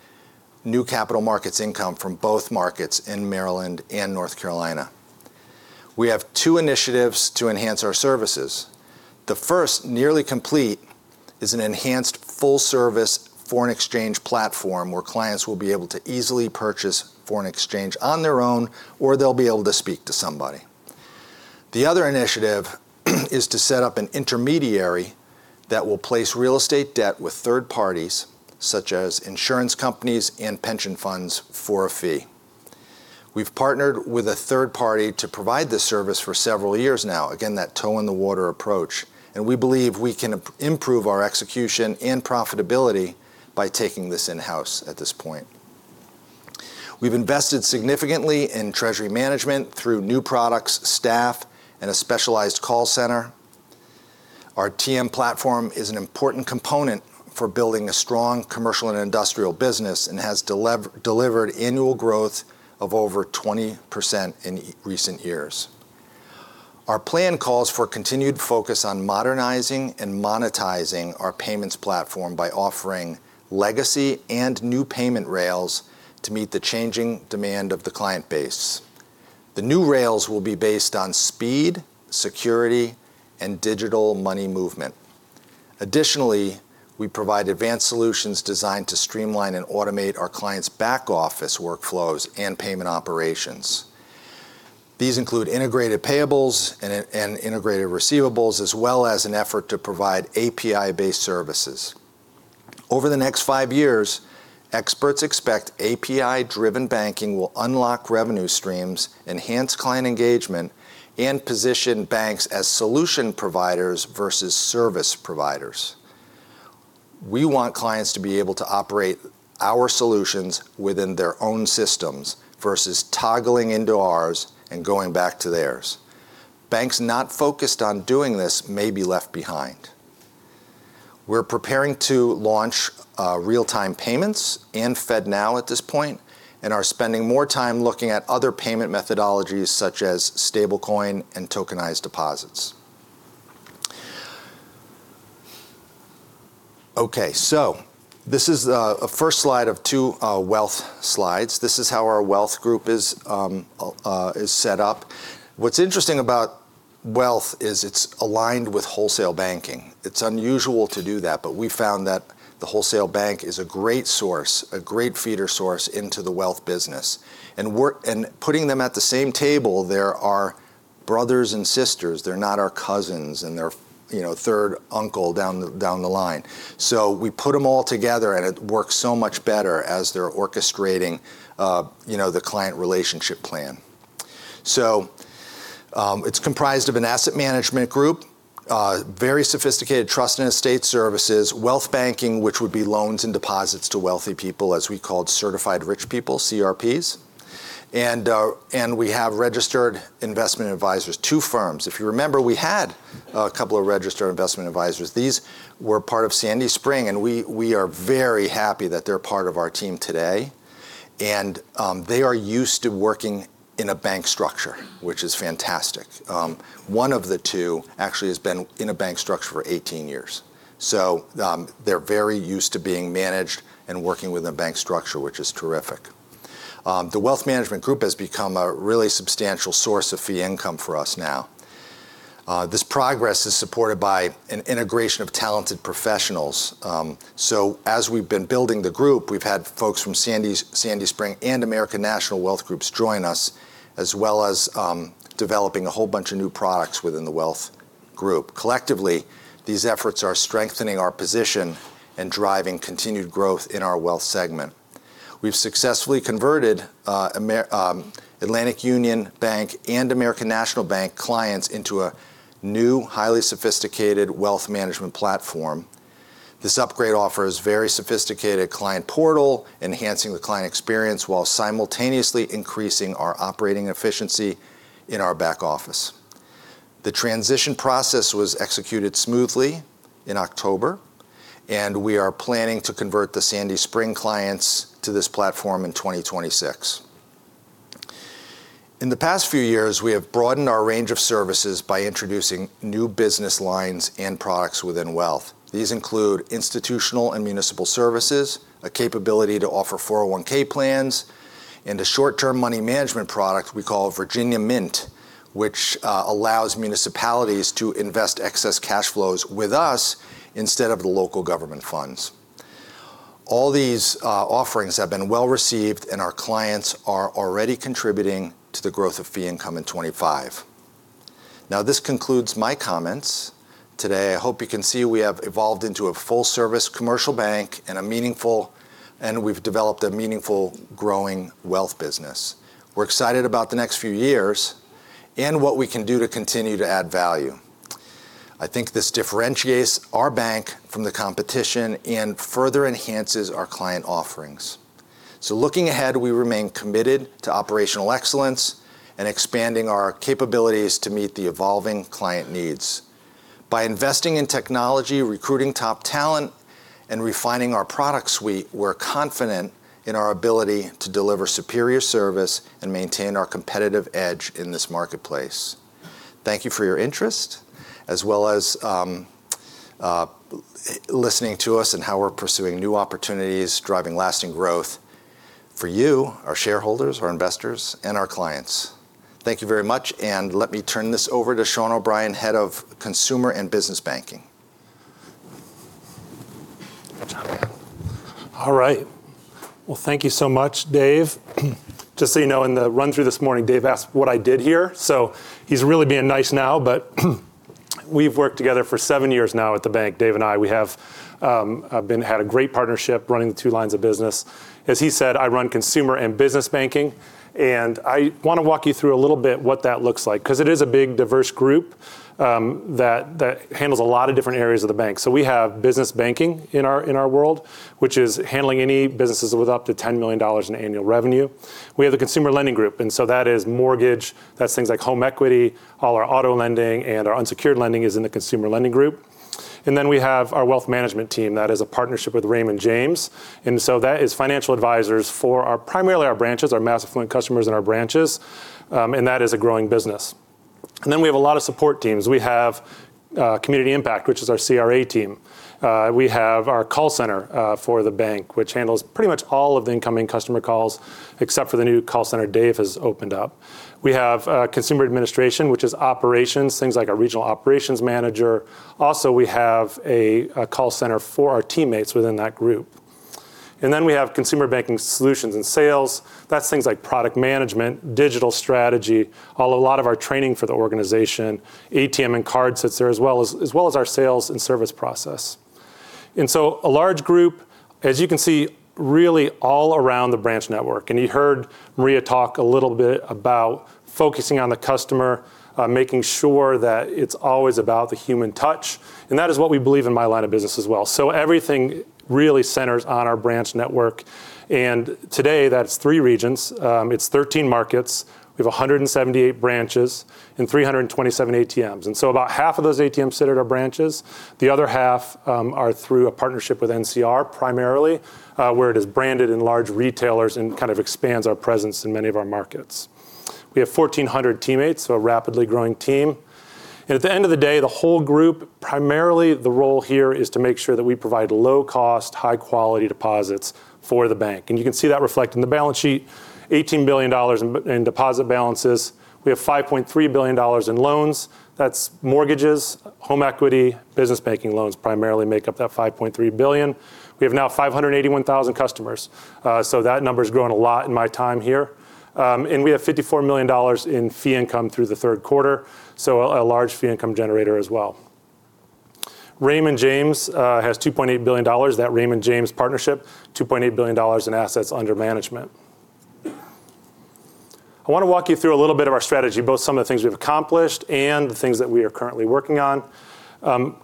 new capital markets income from both markets in Maryland and North Carolina. We have two initiatives to enhance our services. The first, nearly complete, is an enhanced full-service foreign exchange platform where clients will be able to easily purchase foreign exchange on their own, or they'll be able to speak to somebody. The other initiative is to set up an intermediary that will place real estate debt with third parties, such as insurance companies and pension funds, for a fee. We've partnered with a third party to provide this service for several years now, again, that toe-in-the-water approach, and we believe we can improve our execution and profitability by taking this in-house at this point. We've invested significantly in treasury management through new products, staff, and a specialized call center. Our TM platform is an important component for building a strong commercial and industrial business and has delivered annual growth of over 20% in recent years. Our plan calls for continued focus on modernizing and monetizing our payments platform by offering legacy and new payment rails to meet the changing demand of the client base. The new rails will be based on speed, security, and digital money movement. Additionally, we provide advanced solutions designed to streamline and automate our clients' back office workflows and payment operations. These include integrated payables and integrated receivables, as well as an effort to provide API-based services. Over the next five years, experts expect API-driven banking will unlock revenue streams, enhance client engagement, and position banks as solution providers versus service providers. We want clients to be able to operate our solutions within their own systems versus toggling into ours and going back to theirs. Banks not focused on doing this may be left behind. We're preparing to launch real-time payments and FedNow at this point and are spending more time looking at other payment methodologies such as stablecoin and tokenized deposits. Okay. So this is a first slide of two wealth slides. This is how our wealth group is set up. What's interesting about wealth is it's aligned with wholesale banking. It's unusual to do that, but we found that the wholesale bank is a great feeder source into the wealth business, and putting them at the same table, they're our brothers and sisters. They're not our cousins and their third uncle down the line, so we put them all together, and it works so much better as they're orchestrating the client relationship plan, so it's comprised of an asset management group, very sophisticated trust and estate services, wealth banking, which would be loans and deposits to wealthy people, as we called certified rich people, CRPs, and we have registered investment advisors, two firms. If you remember, we had a couple of registered investment advisors. These were part of Sandy Spring, and we are very happy that they're part of our team today, and they are used to working in a bank structure, which is fantastic. One of the two actually has been in a bank structure for 18 years. So they're very used to being managed and working within a bank structure, which is terrific. The Wealth Management group has become a really substantial source of fee income for us now. This progress is supported by an integration of talented professionals. So as we've been building the group, we've had folks from Sandy Spring and American National Wealth Groups join us, as well as developing a whole bunch of new products within the wealth group. Collectively, these efforts are strengthening our position and driving continued growth in our wealth segment. We've successfully converted Atlantic Union Bank and American National Bank clients into a new, highly sophisticated Wealth Management platform. This upgrade offers a very sophisticated client portal, enhancing the client experience while simultaneously increasing our operating efficiency in our back office. The transition process was executed smoothly in October, and we are planning to convert the Sandy Spring clients to this platform in 2026. In the past few years, we have broadened our range of services by introducing new business lines and products within wealth. These include institutional and municipal services, a capability to offer 401(k) plans, and a short-term money management product we call Virginia Mint, which allows municipalities to invest excess cash flows with us instead of the local government funds. All these offerings have been well received, and our clients are already contributing to the growth of fee income in 2025. Now, this concludes my comments today. I hope you can see we have evolved into a full-service commercial bank, and we've developed a meaningful, growing wealth business. We're excited about the next few years and what we can do to continue to add value. I think this differentiates our bank from the competition and further enhances our client offerings. So looking ahead, we remain committed to operational excellence and expanding our capabilities to meet the evolving client needs. By investing in technology, recruiting top talent, and refining our product suite, we're confident in our ability to deliver superior service and maintain our competitive edge in this marketplace. Thank you for your interest, as well as listening to us and how we're pursuing new opportunities, driving lasting growth for you, our shareholders, our investors, and our clients. Thank you very much and let me turn this over to Shawn O'Brien, Head of Consumer and Business Banking. All right, well, thank you so much, Dave. Just so you know, in the run-through this morning, Dave asked what I did here. So he's really being nice now, but we've worked together for seven years now at the bank, Dave and I. We have had a great partnership running the two lines of business. As he said, I run Consumer and Business Banking. And I want to walk you through a little bit what that looks like because it is a big, diverse group that handles a lot of different areas of the bank. So we have business banking in our world, which is handling any businesses with up to $10 million in annual revenue. We have the Consumer Lending Group. And so that is mortgage. That's things like home equity, all our auto lending, and our unsecured lending is in the Consumer Lending Group. And then we have our Wealth Management team that is a partnership with Raymond James. And so that is financial advisors for primarily our branches, our mass affluent customers in our branches. And that is a growing business. And then we have a lot of support teams. We have Community Impact, which is our CRA team. We have our call center for the bank, which handles pretty much all of the incoming customer calls except for the new call center Dave has opened up. We have Consumer Administration, which is operations, things like our Regional Operations Manager. Also, we have a call center for our teammates within that group. And then we have Consumer Banking Solutions and Sales. That's things like product management, digital strategy, a lot of our training for the organization. ATM and cards sits there as well, as well as our sales and service process. And so a large group, as you can see, really all around the branch network. And you heard Maria talk a little bit about focusing on the customer, making sure that it's always about the human touch. And that is what we believe in my line of business as well. So everything really centers on our branch network. And today, that's three regions. It's 13 markets. We have 178 branches and 327 ATMs. And so about half of those ATMs sit at our branches. The other half are through a partnership with NCR primarily, where it is branded in large retailers and kind of expands our presence in many of our markets. We have 1,400 teammates, so a rapidly growing team. And at the end of the day, the whole group, primarily the role here is to make sure that we provide low-cost, high-quality deposits for the bank. And you can see that reflected in the balance sheet, $18 billion in deposit balances. We have $5.3 billion in loans. That's mortgages, home equity, business banking loans primarily make up that $5.3 billion. We have now 581,000 customers, so that number is growing a lot in my time here, and we have $54 million in fee income through the third quarter, so a large fee income generator as well. Raymond James has $2.8 billion, that Raymond James partnership, $2.8 billion in assets under management. I want to walk you through a little bit of our strategy, both some of the things we've accomplished and the things that we are currently working on.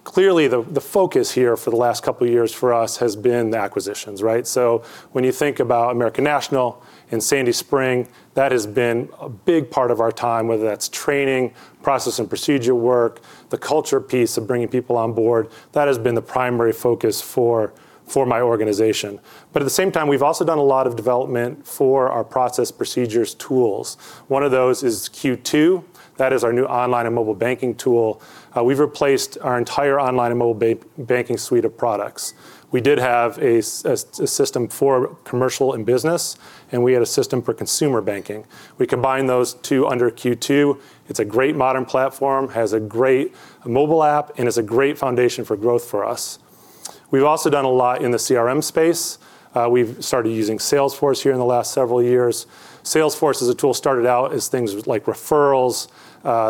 Clearly, the focus here for the last couple of years for us has been the acquisitions, right, so when you think about American National and Sandy Spring, that has been a big part of our time, whether that's training, process, and procedure work, the culture piece of bringing people on board. That has been the primary focus for my organization, but at the same time, we've also done a lot of development for our process procedures tools. One of those is Q2. That is our new online and mobile banking tool. We've replaced our entire online and mobile banking suite of products. We did have a system for commercial and business, and we had a system for consumer banking. We combined those two under Q2. It's a great modern platform, has a great mobile app, and it's a great foundation for growth for us. We've also done a lot in the CRM space. We've started using Salesforce here in the last several years. Salesforce as a tool started out as things like referrals,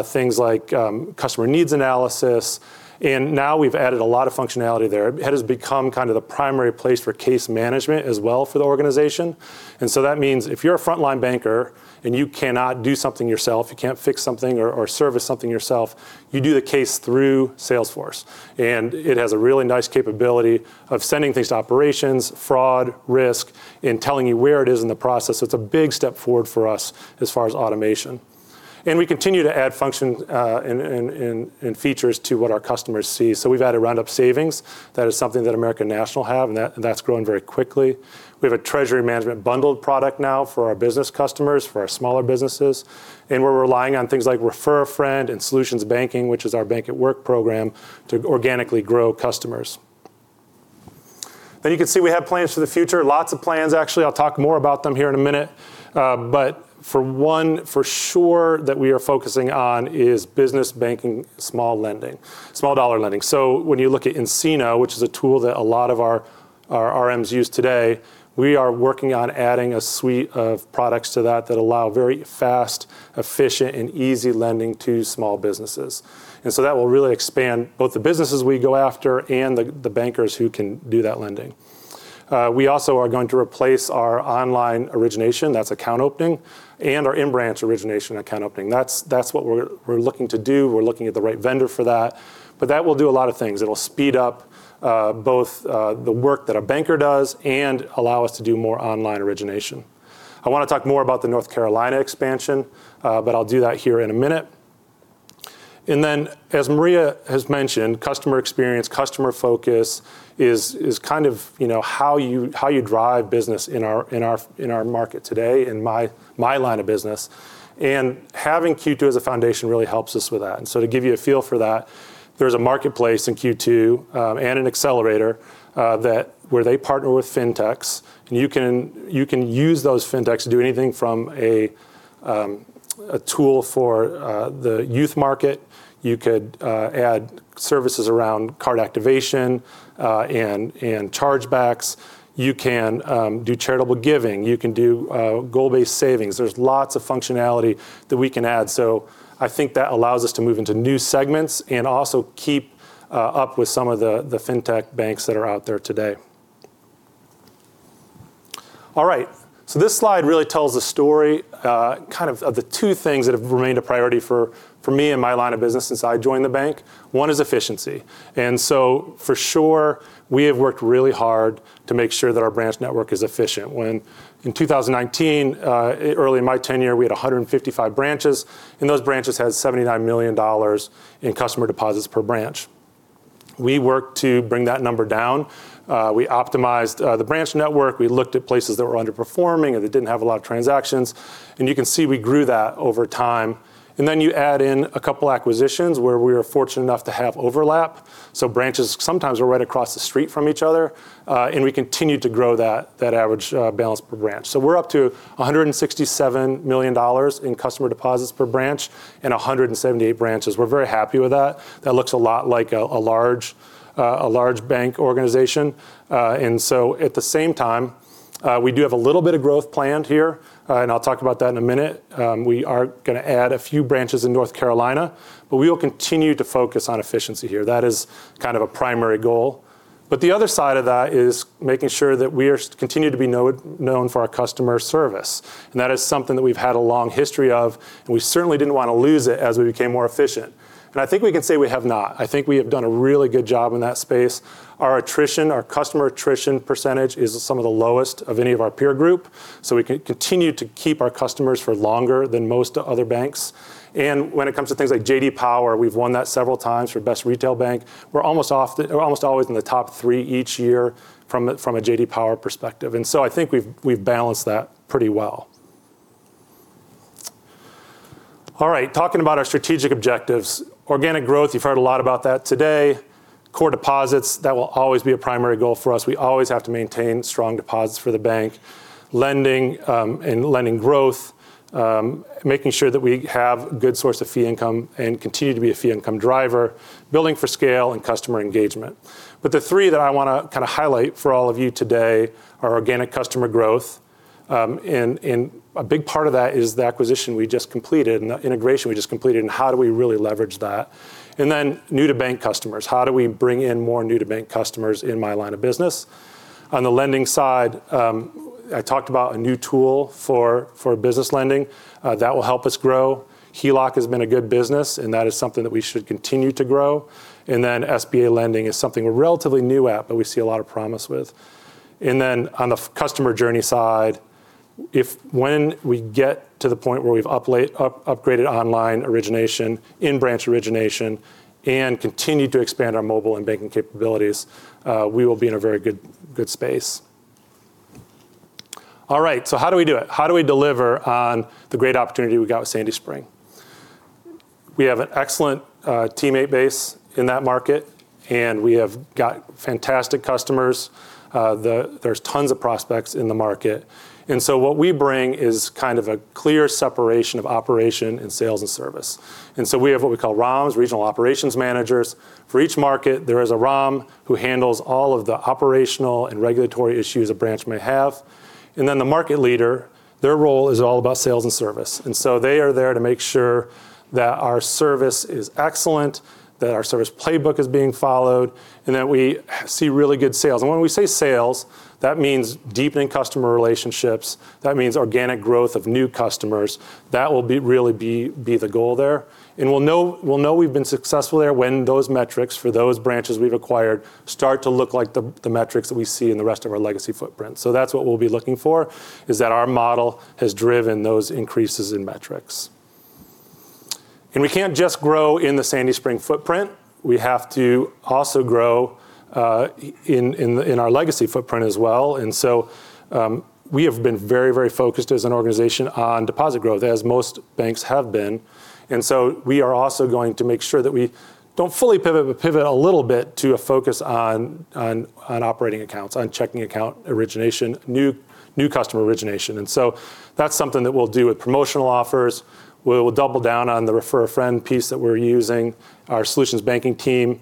things like customer needs analysis, and now we've added a lot of functionality there. It has become kind of the primary place for case management as well for the organization, and so that means if you're a frontline banker and you cannot do something yourself, you can't fix something or service something yourself, you do the case through Salesforce, and it has a really nice capability of sending things to operations, fraud, risk, and telling you where it is in the process, so it's a big step forward for us as far as automation, and we continue to add functions and features to what our customers see, so we've added RoundUp Savings, that is something that American National have, and that's growing very quickly. We have a treasury management bundled product now for our business customers, for our smaller businesses, and we're relying on things like Refer a Friend and Solutions Banking, which is our Bank at Work program, to organically grow customers. Then you can see we have plans for the future, lots of plans, actually. I'll talk more about them here in a minute. But for one, for sure that we are focusing on is business banking, small dollar lending. So when you look at nCino, which is a tool that a lot of our RMs use today, we are working on adding a suite of products to that that allow very fast, efficient, and easy lending to small businesses. And so that will really expand both the businesses we go after and the bankers who can do that lending. We also are going to replace our online origination, that's account opening, and our in-branch origination account opening. That's what we're looking to do. We're looking at the right vendor for that. But that will do a lot of things. It'll speed up both the work that a banker does and allow us to do more online origination. I want to talk more about the North Carolina expansion, but I'll do that here in a minute, and then, as Maria has mentioned, customer experience, customer focus is kind of how you drive business in our market today in my line of business, and having Q2 as a foundation really helps us with that, and so to give you a feel for that, there's a marketplace in Q2 and an accelerator where they partner with fintechs, and you can use those fintechs to do anything from a tool for the youth market. You could add services around card activation and chargebacks. You can do charitable giving. You can do goal-based savings. There's lots of functionality that we can add. So I think that allows us to move into new segments and also keep up with some of the fintech banks that are out there today. All right. So this slide really tells the story kind of of the two things that have remained a priority for me and my line of business since I joined the bank. One is efficiency. And so for sure, we have worked really hard to make sure that our branch network is efficient. In 2019, early in my tenure, we had 155 branches, and those branches had $79 million in customer deposits per branch. We worked to bring that number down. We optimized the branch network. We looked at places that were underperforming or that didn't have a lot of transactions. And you can see we grew that over time. And then you add in a couple of acquisitions where we were fortunate enough to have overlap. So branches sometimes were right across the street from each other. And we continued to grow that average balance per branch. So we're up to $167 million in customer deposits per branch and 178 branches. We're very happy with that. That looks a lot like a large bank organization. And so at the same time, we do have a little bit of growth planned here. And I'll talk about that in a minute. We are going to add a few branches in North Carolina, but we will continue to focus on efficiency here. That is kind of a primary goal. But the other side of that is making sure that we continue to be known for our customer service. And that is something that we've had a long history of, and we certainly didn't want to lose it as we became more efficient. And I think we can say we have not. I think we have done a really good job in that space. Our customer attrition percentage is some of the lowest of any of our peer group. So we can continue to keep our customers for longer than most other banks. And when it comes to things like J.D. Power, we've won that several times for best retail bank. We're almost always in the top three each year from a J.D. Power perspective. And so I think we've balanced that pretty well. All right. Talking about our strategic objectives, organic growth, you've heard a lot about that today. Core deposits, that will always be a primary goal for us. We always have to maintain strong deposits for the bank. Lending and lending growth, making sure that we have a good source of fee income and continue to be a fee income driver, building for scale and customer engagement. But the three that I want to kind of highlight for all of you today are organic customer growth. And a big part of that is the acquisition we just completed and the integration we just completed and how do we really leverage that? And then new-to-bank customers, how do we bring in more new-to-bank customers in my line of business? On the lending side, I talked about a new tool for business lending that will help us grow. HELOC has been a good business, and that is something that we should continue to grow. And then SBA lending is something we're relatively new at, but we see a lot of promise with. And then on the customer journey side, when we get to the point where we've upgraded online origination, in-branch origination, and continued to expand our mobile and banking capabilities, we will be in a very good space. All right. So how do we do it? How do we deliver on the great opportunity we got with Sandy Spring? We have an excellent teammate base in that market, and we have got fantastic customers. There's tons of prospects in the market. And so what we bring is kind of a clear separation of operation and sales and service. And so we have what we call ROMs, Regional Operations Managers. For each market, there is a ROM who handles all of the operational and regulatory issues a branch may have. And then the market leader, their role is all about sales and service. And so they are there to make sure that our service is excellent, that our service playbook is being followed, and that we see really good sales. And when we say sales, that means deepening customer relationships. That means organic growth of new customers. That will really be the goal there. And we'll know we've been successful there when those metrics for those branches we've acquired start to look like the metrics that we see in the rest of our legacy footprint. So that's what we'll be looking for, is that our model has driven those increases in metrics. And we can't just grow in the Sandy Spring footprint. We have to also grow in our legacy footprint as well. And so we have been very, very focused as an organization on deposit growth, as most banks have been. And so we are also going to make sure that we don't fully pivot, but pivot a little bit to a focus on operating accounts, on checking account origination, new customer origination. And so that's something that we'll do with promotional offers. We'll double down on the Refer a Friend piece that we're using. Our Solutions Banking team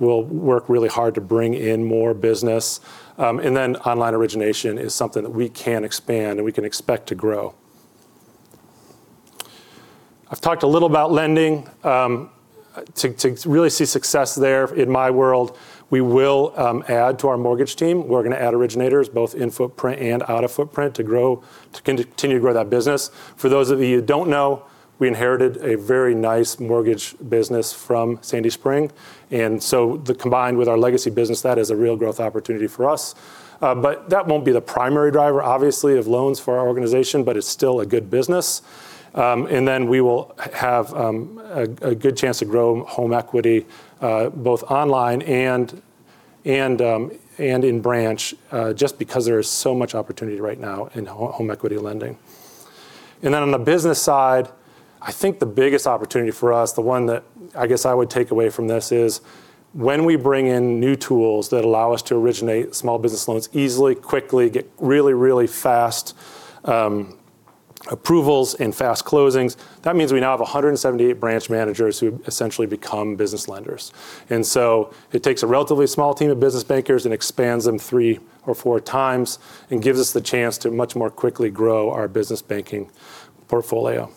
will work really hard to bring in more business. And then online origination is something that we can expand and we can expect to grow. I've talked a little about lending. To really see success there in my world, we will add to our mortgage team. We're going to add originators, both in-footprint and out-of-footprint, to continue to grow that business. For those of you who don't know, we inherited a very nice mortgage business from Sandy Spring. And so combined with our legacy business, that is a real growth opportunity for us. But that won't be the primary driver, obviously, of loans for our organization, but it's still a good business. And then we will have a good chance to grow home equity, both online and in-branch, just because there is so much opportunity right now in home equity lending. And then on the business side, I think the biggest opportunity for us, the one that I guess I would take away from this, is when we bring in new tools that allow us to originate small business loans easily, quickly, get really, really fast approvals and fast closings, that means we now have 178 branch managers who essentially become business lenders. And so it takes a relatively small team of business bankers and expands them three or four times and gives us the chance to much more quickly grow our business banking portfolio.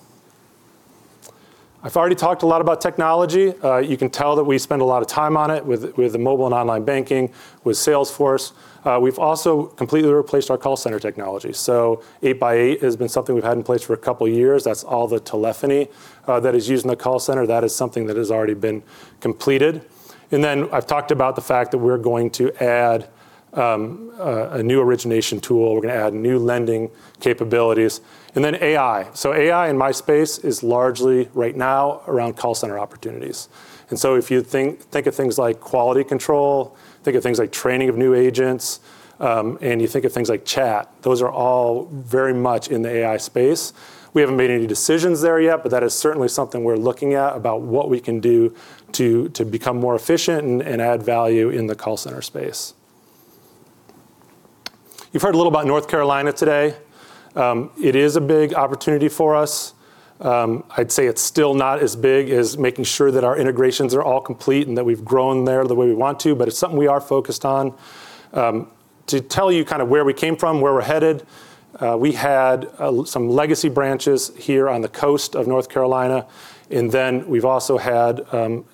I've already talked a lot about technology. You can tell that we spend a lot of time on it with the mobile and online banking, with Salesforce. We've also completely replaced our call center technology. So 8x8 has been something we've had in place for a couple of years. That's all the telephony that is used in the call center. That is something that has already been completed. And then I've talked about the fact that we're going to add a new origination tool. We're going to add new lending capabilities. And then AI. So AI in my space is largely right now around call center opportunities. And so if you think of things like quality control, think of things like training of new agents, and you think of things like chat, those are all very much in the AI space. We haven't made any decisions there yet, but that is certainly something we're looking at about what we can do to become more efficient and add value in the call center space. You've heard a little about North Carolina today. It is a big opportunity for us. I'd say it's still not as big as making sure that our integrations are all complete and that we've grown there the way we want to, but it's something we are focused on. To tell you kind of where we came from, where we're headed, we had some legacy branches here on the coast of North Carolina, and then we've also had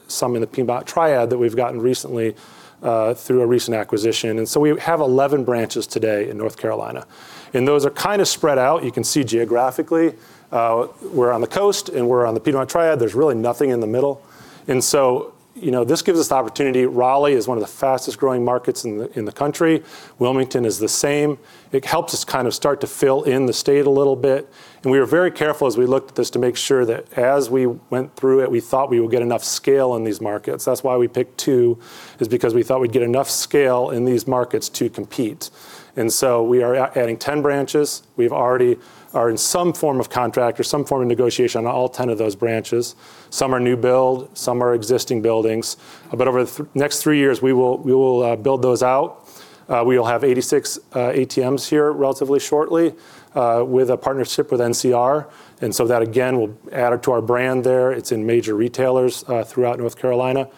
some in the Piedmont Triad that we've gotten recently through a recent acquisition, and so we have 11 branches today in North Carolina, and those are kind of spread out. You can see, geographically, we're on the coast, and we're on the Piedmont Triad. There's really nothing in the middle, and so this gives us the opportunity. Raleigh is one of the fastest-growing markets in the country. Wilmington is the same. It helps us kind of start to fill in the state a little bit, and we were very careful as we looked at this to make sure that as we went through it, we thought we would get enough scale in these markets. That's why we picked two, is because we thought we'd get enough scale in these markets to compete. And so we are adding 10 branches. We are in some form of contract or some form of negotiation on all 10 of those branches. Some are new build, some are existing buildings. But over the next three years, we will build those out. We will have 86 ATMs here relatively shortly with a partnership with NCR. And so that, again, will add to our brand there. It's in major retailers throughout North Carolina.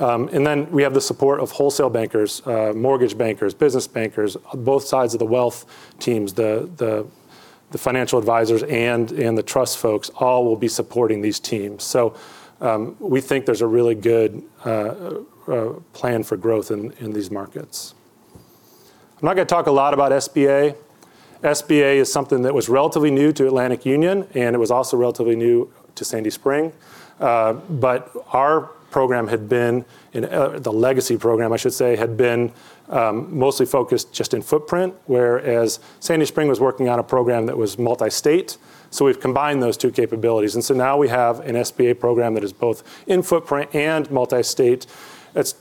And then we have the support of wholesale bankers, mortgage bankers, business bankers, both sides of the wealth teams, the financial advisors, and the trust folks all will be supporting these teams. So we think there's a really good plan for growth in these markets. I'm not going to talk a lot about SBA. SBA is something that was relatively new to Atlantic Union, and it was also relatively new to Sandy Spring, but our program had been, the legacy program, I should say, had been mostly focused just in footprint, whereas Sandy Spring was working on a program that was multi-state, so we've combined those two capabilities, and so now we have an SBA program that is both in-footprint and multi-state. It's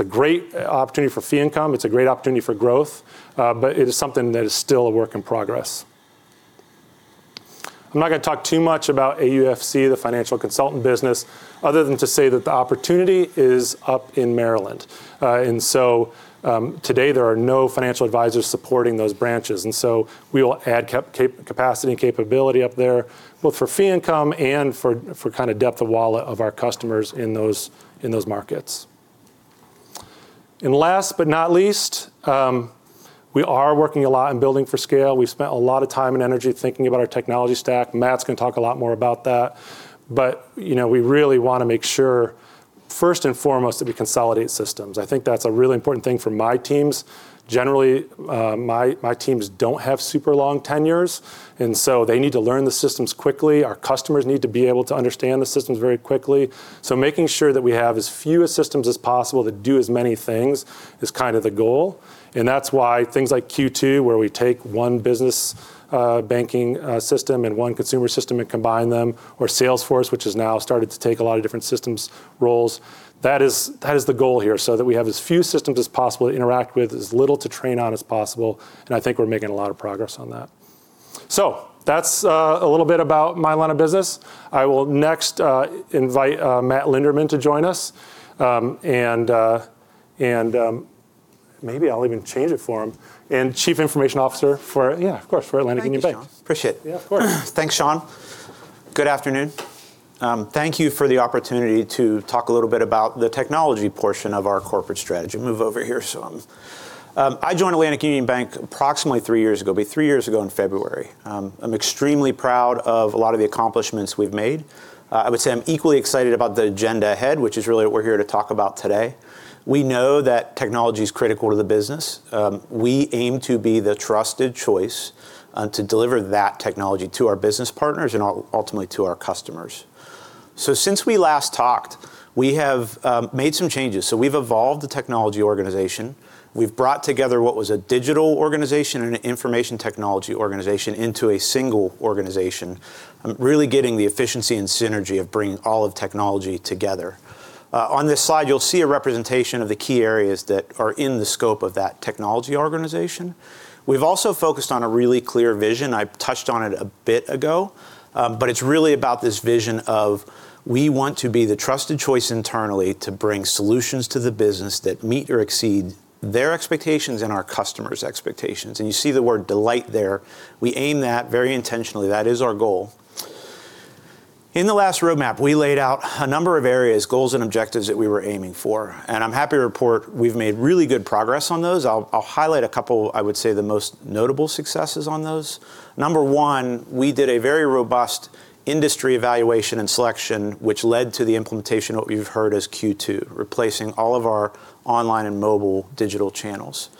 a great opportunity for fee income. It's a great opportunity for growth, but it is something that is still a work in progress. I'm not going to talk too much about Atlantic Union Financial Consultants, the financial consultant business, other than to say that the opportunity is up in Maryland, and so today, there are no financial advisors supporting those branches. And so we will add capacity and capability up there, both for fee income and for kind of depth of wallet of our customers in those markets. And last but not least, we are working a lot in building for scale. We've spent a lot of time and energy thinking about our technology stack. Matt's going to talk a lot more about that. But we really want to make sure, first and foremost, that we consolidate systems. I think that's a really important thing for my teams. Generally, my teams don't have super long tenures, and so they need to learn the systems quickly. Our customers need to be able to understand the systems very quickly. So making sure that we have as few systems as possible that do as many things is kind of the goal. And that's why things like Q2, where we take one business banking system and one consumer system and combine them, or Salesforce, which has now started to take a lot of different systems roles, that is the goal here so that we have as few systems as possible to interact with, as little to train on as possible. And I think we're making a lot of progress on that. So that's a little bit about my line of business. I will next invite Matt Linderman to join us. And maybe I'll even change it for him. And Chief Information Officer for, yeah, of course, for Atlantic Union Bank. Thanks, Shawn. Appreciate it. Yeah, of course. Thanks, Shawn. Good afternoon. Thank you for the opportunity to talk a little bit about the technology portion of our corporate strategy. Move over here. I joined Atlantic Union Bank approximately three years ago, it'll be three years ago in February. I'm extremely proud of a lot of the accomplishments we've made. I would say I'm equally excited about the agenda ahead, which is really what we're here to talk about today. We know that technology is critical to the business. We aim to be the trusted choice to deliver that technology to our business partners and ultimately to our customers. So since we last talked, we have made some changes. So we've evolved the technology organization. We've brought together what was a digital organization and an information technology organization into a single organization. I'm really getting the efficiency and synergy of bringing all of technology together. On this slide, you'll see a representation of the key areas that are in the scope of that technology organization. We've also focused on a really clear vision. I touched on it a bit ago, but it's really about this vision of we want to be the trusted choice internally to bring solutions to the business that meet or exceed their expectations and our customers' expectations. And you see the word delight there. We aim that very intentionally. That is our goal. In the last roadmap, we laid out a number of areas, goals, and objectives that we were aiming for. And I'm happy to report we've made really good progress on those. I'll highlight a couple of, I would say, the most notable successes on those. Number one, we did a very robust industry evaluation and selection, which led to the implementation of what we've heard as Q2, replacing all of our online and mobile digital channels.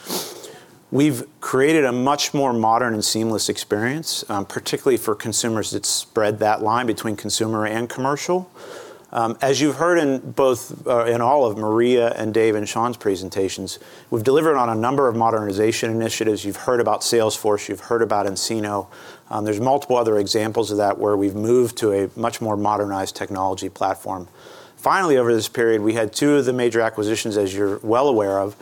We've created a much more modern and seamless experience, particularly for consumers that spread that line between consumer and commercial. As you've heard in both and all of Maria and Dave and Shawn's presentations, we've delivered on a number of modernization initiatives. You've heard about Salesforce. You've heard about nCino. There's multiple other examples of that where we've moved to a much more modernized technology platform. Finally, over this period, we had two of the major acquisitions, as you're well aware of,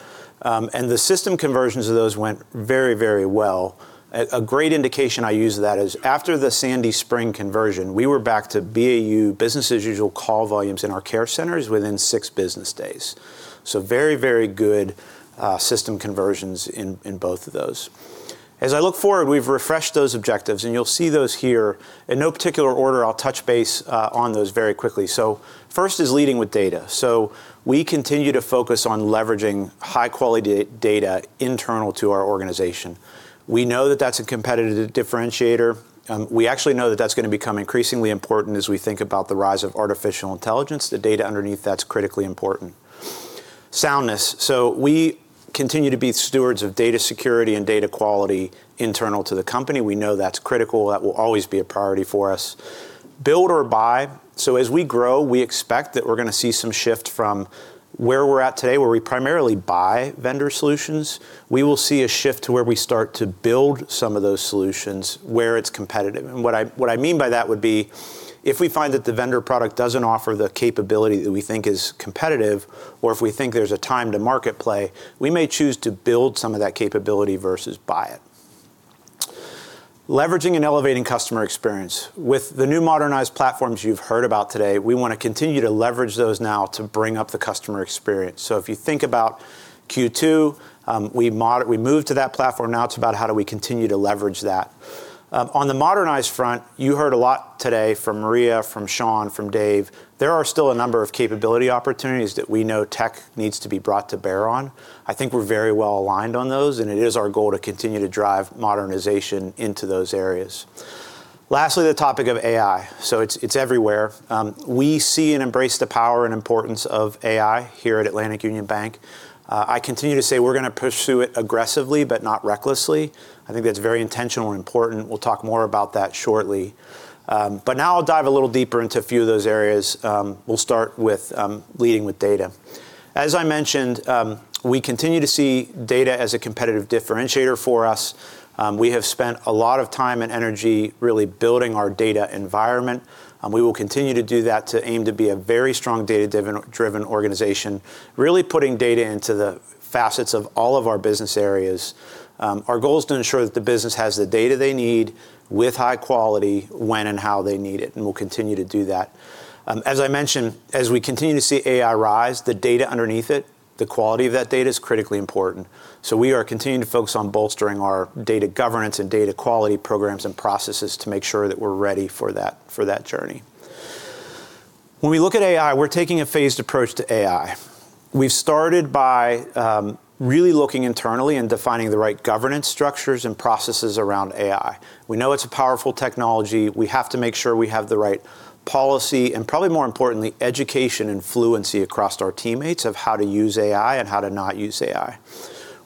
and the system conversions of those went very, very well. A great indication I use of that is after the Sandy Spring conversion, we were back to BAU business-as-usual call volumes in our care centers within six business days. So very, very good system conversions in both of those. As I look forward, we've refreshed those objectives, and you'll see those here. In no particular order, I'll touch base on those very quickly. So first is leading with data. So we continue to focus on leveraging high-quality data internal to our organization. We know that that's a competitive differentiator. We actually know that that's going to become increasingly important as we think about the rise of artificial intelligence. The data underneath that's critically important. Soundness. So we continue to be stewards of data security and data quality internal to the company. We know that's critical. That will always be a priority for us. Build or buy. So as we grow, we expect that we're going to see some shift from where we're at today, where we primarily buy vendor solutions. We will see a shift to where we start to build some of those solutions where it's competitive. And what I mean by that would be if we find that the vendor product doesn't offer the capability that we think is competitive, or if we think there's a time to market play, we may choose to build some of that capability versus buy it. Leveraging and elevating customer experience. With the new modernized platforms you've heard about today, we want to continue to leverage those now to bring up the customer experience. So if you think about Q2, we moved to that platform now to about how do we continue to leverage that? On the modernized front, you heard a lot today from Maria, from Shawn, from Dave. There are still a number of capability opportunities that we know tech needs to be brought to bear on. I think we're very well aligned on those, and it is our goal to continue to drive modernization into those areas. Lastly, the topic of AI, so it's everywhere. We see and embrace the power and importance of AI here at Atlantic Union Bank. I continue to say we're going to pursue it aggressively, but not recklessly. I think that's very intentional and important. We'll talk more about that shortly, but now I'll dive a little deeper into a few of those areas. We'll start with leading with data. As I mentioned, we continue to see data as a competitive differentiator for us. We have spent a lot of time and energy really building our data environment. We will continue to do that to aim to be a very strong data-driven organization, really putting data into the facets of all of our business areas. Our goal is to ensure that the business has the data they need with high quality when and how they need it, and we'll continue to do that. As I mentioned, as we continue to see AI rise, the data underneath it, the quality of that data is critically important. So we are continuing to focus on bolstering our data governance and data quality programs and processes to make sure that we're ready for that journey. When we look at AI, we're taking a phased approach to AI. We've started by really looking internally and defining the right governance structures and processes around AI. We know it's a powerful technology. We have to make sure we have the right policy and probably more importantly, education and fluency across our teammates of how to use AI and how to not use AI.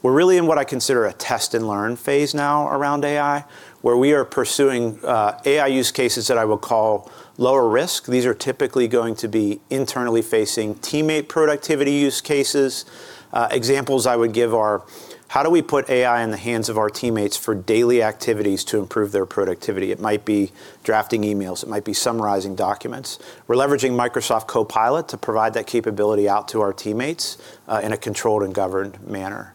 We're really in what I consider a test and learn phase now around AI, where we are pursuing AI use cases that I will call lower risk. These are typically going to be internally facing teammate productivity use cases. Examples I would give are how do we put AI in the hands of our teammates for daily activities to improve their productivity? It might be drafting emails. It might be summarizing documents. We're leveraging Microsoft Copilot to provide that capability out to our teammates in a controlled and governed manner.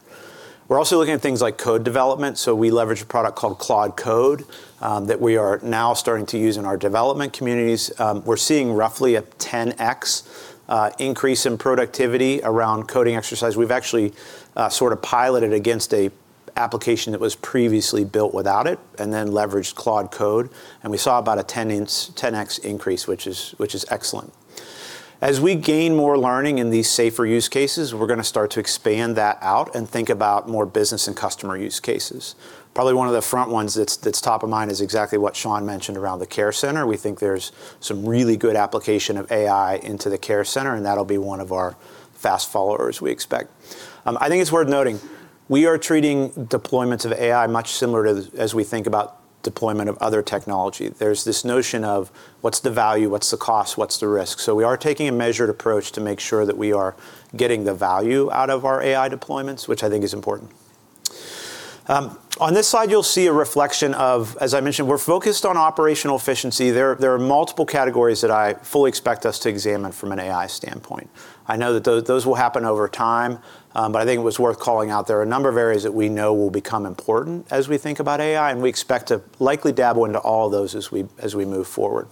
We're also looking at things like code development. So we leverage a product called Claude Code that we are now starting to use in our development communities. We're seeing roughly a 10x increase in productivity around coding exercise. We've actually sort of piloted against an application that was previously built without it and then leveraged Claude Code. And we saw about a 10x increase, which is excellent. As we gain more learning in these safer use cases, we're going to start to expand that out and think about more business and customer use cases. Probably one of the front ones that's top of mind is exactly what Shawn mentioned around the care center. We think there's some really good application of AI into the care center, and that'll be one of our fast followers we expect. I think it's worth noting we are treating deployments of AI much similar to as we think about deployment of other technology. There's this notion of what's the value, what's the cost, what's the risk. So we are taking a measured approach to make sure that we are getting the value out of our AI deployments, which I think is important. On this slide, you'll see a reflection of, as I mentioned, we're focused on operational efficiency. There are multiple categories that I fully expect us to examine from an AI standpoint. I know that those will happen over time, but I think it was worth calling out. There are a number of areas that we know will become important as we think about AI, and we expect to likely dabble into all of those as we move forward.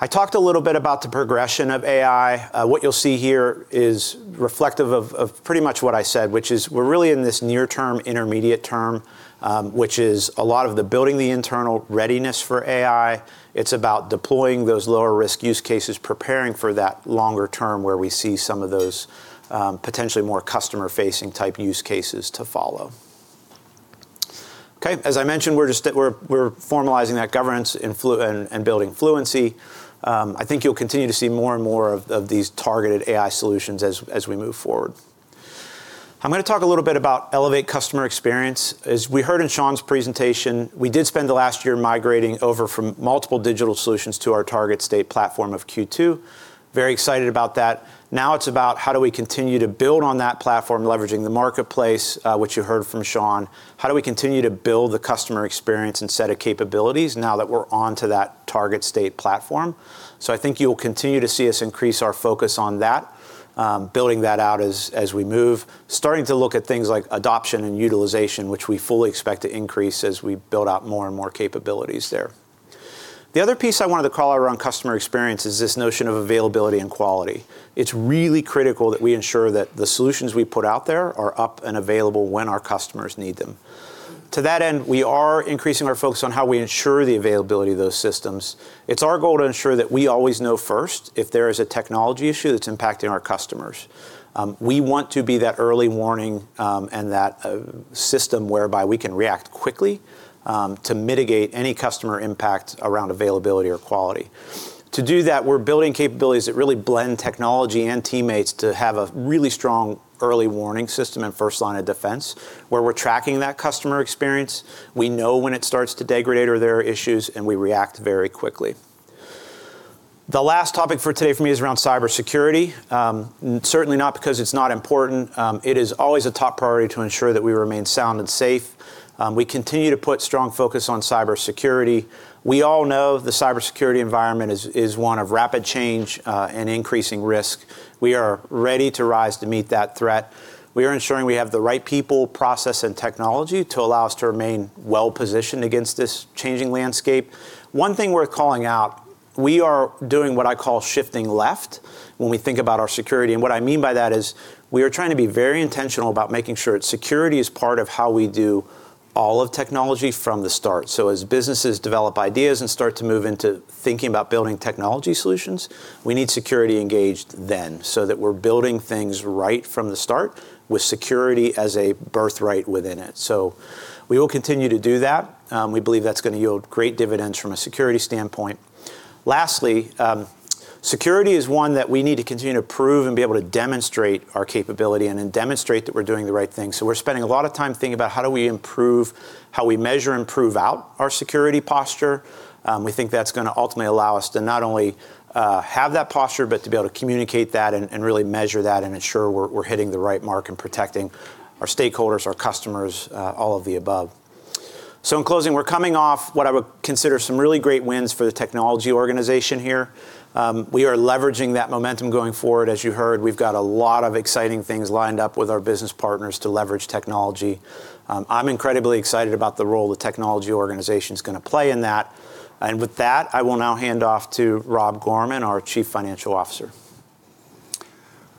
I talked a little bit about the progression of AI. What you'll see here is reflective of pretty much what I said, which is we're really in this near term, intermediate term, which is a lot of the building the internal readiness for AI. It's about deploying those lower risk use cases, preparing for that longer term where we see some of those potentially more customer-facing type use cases to follow. Okay. As I mentioned, we're formalizing that governance and building fluency. I think you'll continue to see more and more of these targeted AI solutions as we move forward. I'm going to talk a little bit about elevate customer experience. As we heard in Shawn's presentation, we did spend the last year migrating over from multiple digital solutions to our target state platform of Q2. Very excited about that. Now it's about how do we continue to build on that platform, leveraging the marketplace, which you heard from Shawn. How do we continue to build the customer experience and set of capabilities now that we're onto that target state platform? So I think you'll continue to see us increase our focus on that, building that out as we move, starting to look at things like adoption and utilization, which we fully expect to increase as we build out more and more capabilities there. The other piece I wanted to call out around customer experience is this notion of availability and quality. It's really critical that we ensure that the solutions we put out there are up and available when our customers need them. To that end, we are increasing our focus on how we ensure the availability of those systems. It's our goal to ensure that we always know first if there is a technology issue that's impacting our customers. We want to be that early warning and that system whereby we can react quickly to mitigate any customer impact around availability or quality. To do that, we're building capabilities that really blend technology and teammates to have a really strong early warning system and first line of defense where we're tracking that customer experience. We know when it starts to degrade or there are issues, and we react very quickly. The last topic for today for me is around cybersecurity. Certainly not because it's not important. It is always a top priority to ensure that we remain sound and safe. We continue to put strong focus on cybersecurity. We all know the cybersecurity environment is one of rapid change and increasing risk. We are ready to rise to meet that threat. We are ensuring we have the right people, process, and technology to allow us to remain well-positioned against this changing landscape. One thing worth calling out, we are doing what I call shifting left when we think about our security. And what I mean by that is we are trying to be very intentional about making sure that security is part of how we do all of technology from the start. So as businesses develop ideas and start to move into thinking about building technology solutions, we need security engaged then so that we're building things right from the start with security as a birthright within it. So we will continue to do that. We believe that's going to yield great dividends from a security standpoint. Lastly, security is one that we need to continue to prove and be able to demonstrate our capability and then demonstrate that we're doing the right thing. So we're spending a lot of time thinking about how do we improve how we measure and prove out our security posture. We think that's going to ultimately allow us to not only have that posture, but to be able to communicate that and really measure that and ensure we're hitting the right mark and protecting our stakeholders, our customers, all of the above. So in closing, we're coming off what I would consider some really great wins for the technology organization here. We are leveraging that momentum going forward. As you heard, we've got a lot of exciting things lined up with our business partners to leverage technology. I'm incredibly excited about the role the technology organization is going to play in that. And with that, I will now hand off to Rob Gorman, our Chief Financial Officer.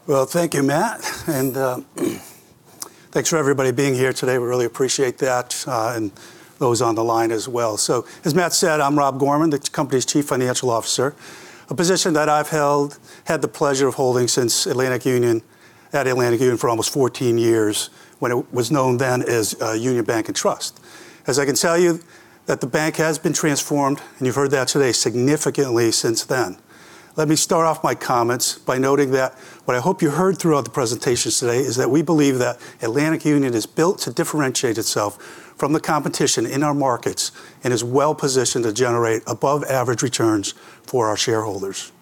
Well, thank you, Matt. And thanks for everybody being here today. We really appreciate that and those on the line as well. So as Matt said, I'm Rob Gorman, the company's Chief Financial Officer, a position that I've had the pleasure of holding since Atlantic Union for almost 14 years when it was known then as Union Bank and Trust. As I can tell you, the bank has been transformed, and you've heard that today significantly since then. Let me start off my comments by noting that what I hope you heard throughout the presentations today is that we believe that Atlantic Union is built to differentiate itself from the competition in our markets and is well-positioned to generate above-average returns for our shareholders.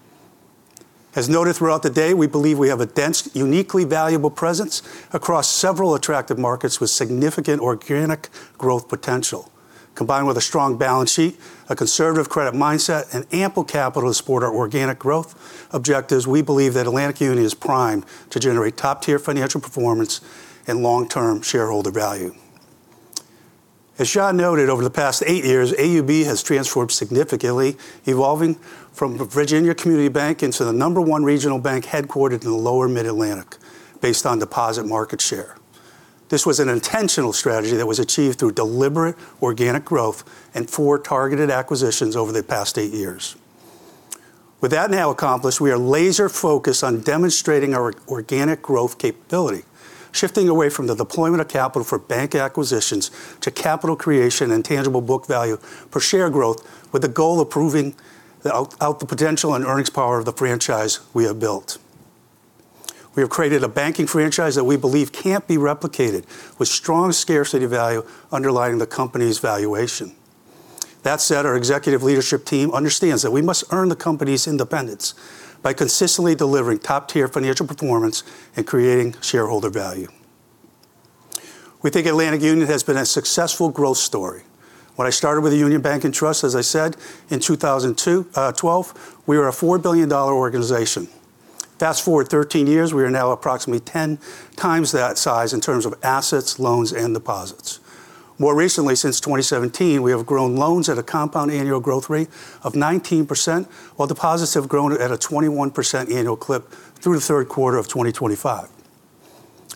As noted throughout the day, we believe we have a dense, uniquely valuable presence across several attractive markets with significant organic growth potential. Combined with a strong balance sheet, a conservative credit mindset, and ample capital to support our organic growth objectives, we believe that Atlantic Union is primed to generate top-tier financial performance and long-term shareholder value. As Shawn noted, over the past eight years, AUB has transformed significantly, evolving from Virginia community bank into the number one regional bank headquartered in the lower Mid-Atlantic based on deposit market share. This was an intentional strategy that was achieved through deliberate organic growth and four targeted acquisitions over the past eight years. With that now accomplished, we are laser-focused on demonstrating our organic growth capability, shifting away from the deployment of capital for bank acquisitions to capital creation and tangible book value for share growth with the goal of proving out the potential and earnings power of the franchise we have built. We have created a banking franchise that we believe can't be replicated with strong scarcity value underlining the company's valuation. That said, our executive leadership team understands that we must earn the company's independence by consistently delivering top-tier financial performance and creating shareholder value. We think Atlantic Union has been a successful growth story. When I started with the Union Bank and Trust, as I said, in 2012, we were a $4 billion organization. Fast forward 13 years, we are now approximately 10 times that size in terms of assets, loans, and deposits. More recently, since 2017, we have grown loans at a compound annual growth rate of 19%, while deposits have grown at a 21% annual clip through the third quarter of 2025.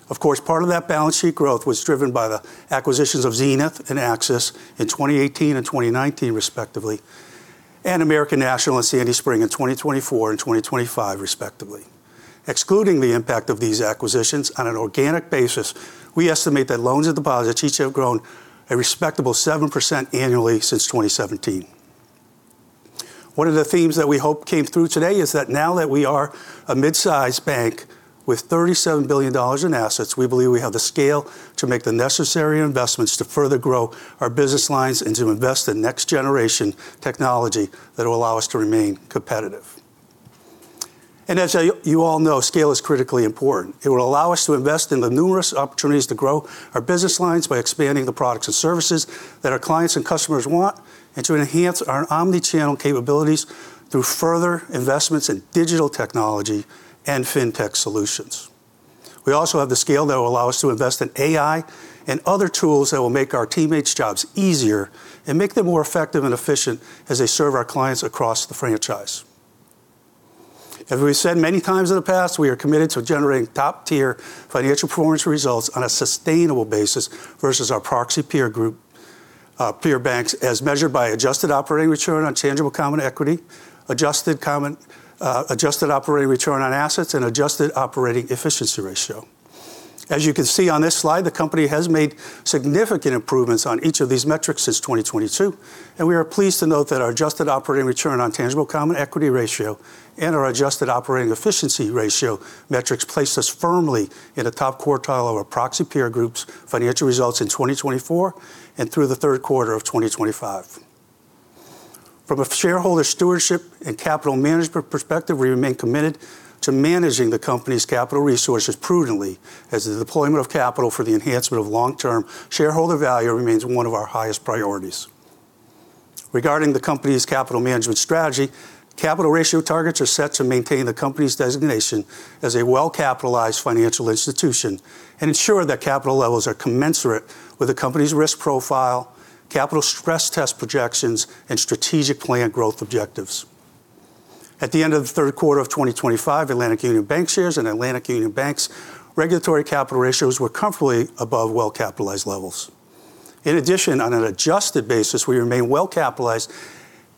Of course, part of that balance sheet growth was driven by the acquisitions of Xenith and Access in 2018 and 2019, respectively, and American National and Sandy Spring in 2024 and 2025, respectively. Excluding the impact of these acquisitions on an organic basis, we estimate that loans and deposits each have grown a respectable 7% annually since 2017. One of the themes that we hope came through today is that now that we are a mid-sized bank with $37 billion in assets, we believe we have the scale to make the necessary investments to further grow our business lines and to invest in next-generation technology that will allow us to remain competitive, and as you all know, scale is critically important. It will allow us to invest in the numerous opportunities to grow our business lines by expanding the products and services that our clients and customers want and to enhance our omnichannel capabilities through further investments in digital technology and fintech solutions. We also have the scale that will allow us to invest in AI and other tools that will make our teammates' jobs easier and make them more effective and efficient as they serve our clients across the franchise. As we've said many times in the past, we are committed to generating top-tier financial performance results on a sustainable basis versus our proxy peer group, peer banks, as measured by adjusted operating return on tangible common equity, adjusted operating return on assets, and adjusted operating efficiency ratio. As you can see on this slide, the company has made significant improvements on each of these metrics since 2022, and we are pleased to note that our adjusted operating return on tangible common equity ratio and our adjusted operating efficiency ratio metrics placed us firmly in the top quartile of our proxy peer group's financial results in 2024 and through the third quarter of 2025. From a shareholder stewardship and capital management perspective, we remain committed to managing the company's capital resources prudently as the deployment of capital for the enhancement of long-term shareholder value remains one of our highest priorities. Regarding the company's capital management strategy, capital ratio targets are set to maintain the company's designation as a well-capitalized financial institution and ensure that capital levels are commensurate with the company's risk profile, capital stress test projections, and strategic plan growth objectives. At the end of the third quarter of 2025, Atlantic Union Bankshares and Atlantic Union Bank's regulatory capital ratios were comfortably above well-capitalized levels. In addition, on an adjusted basis, we remain well-capitalized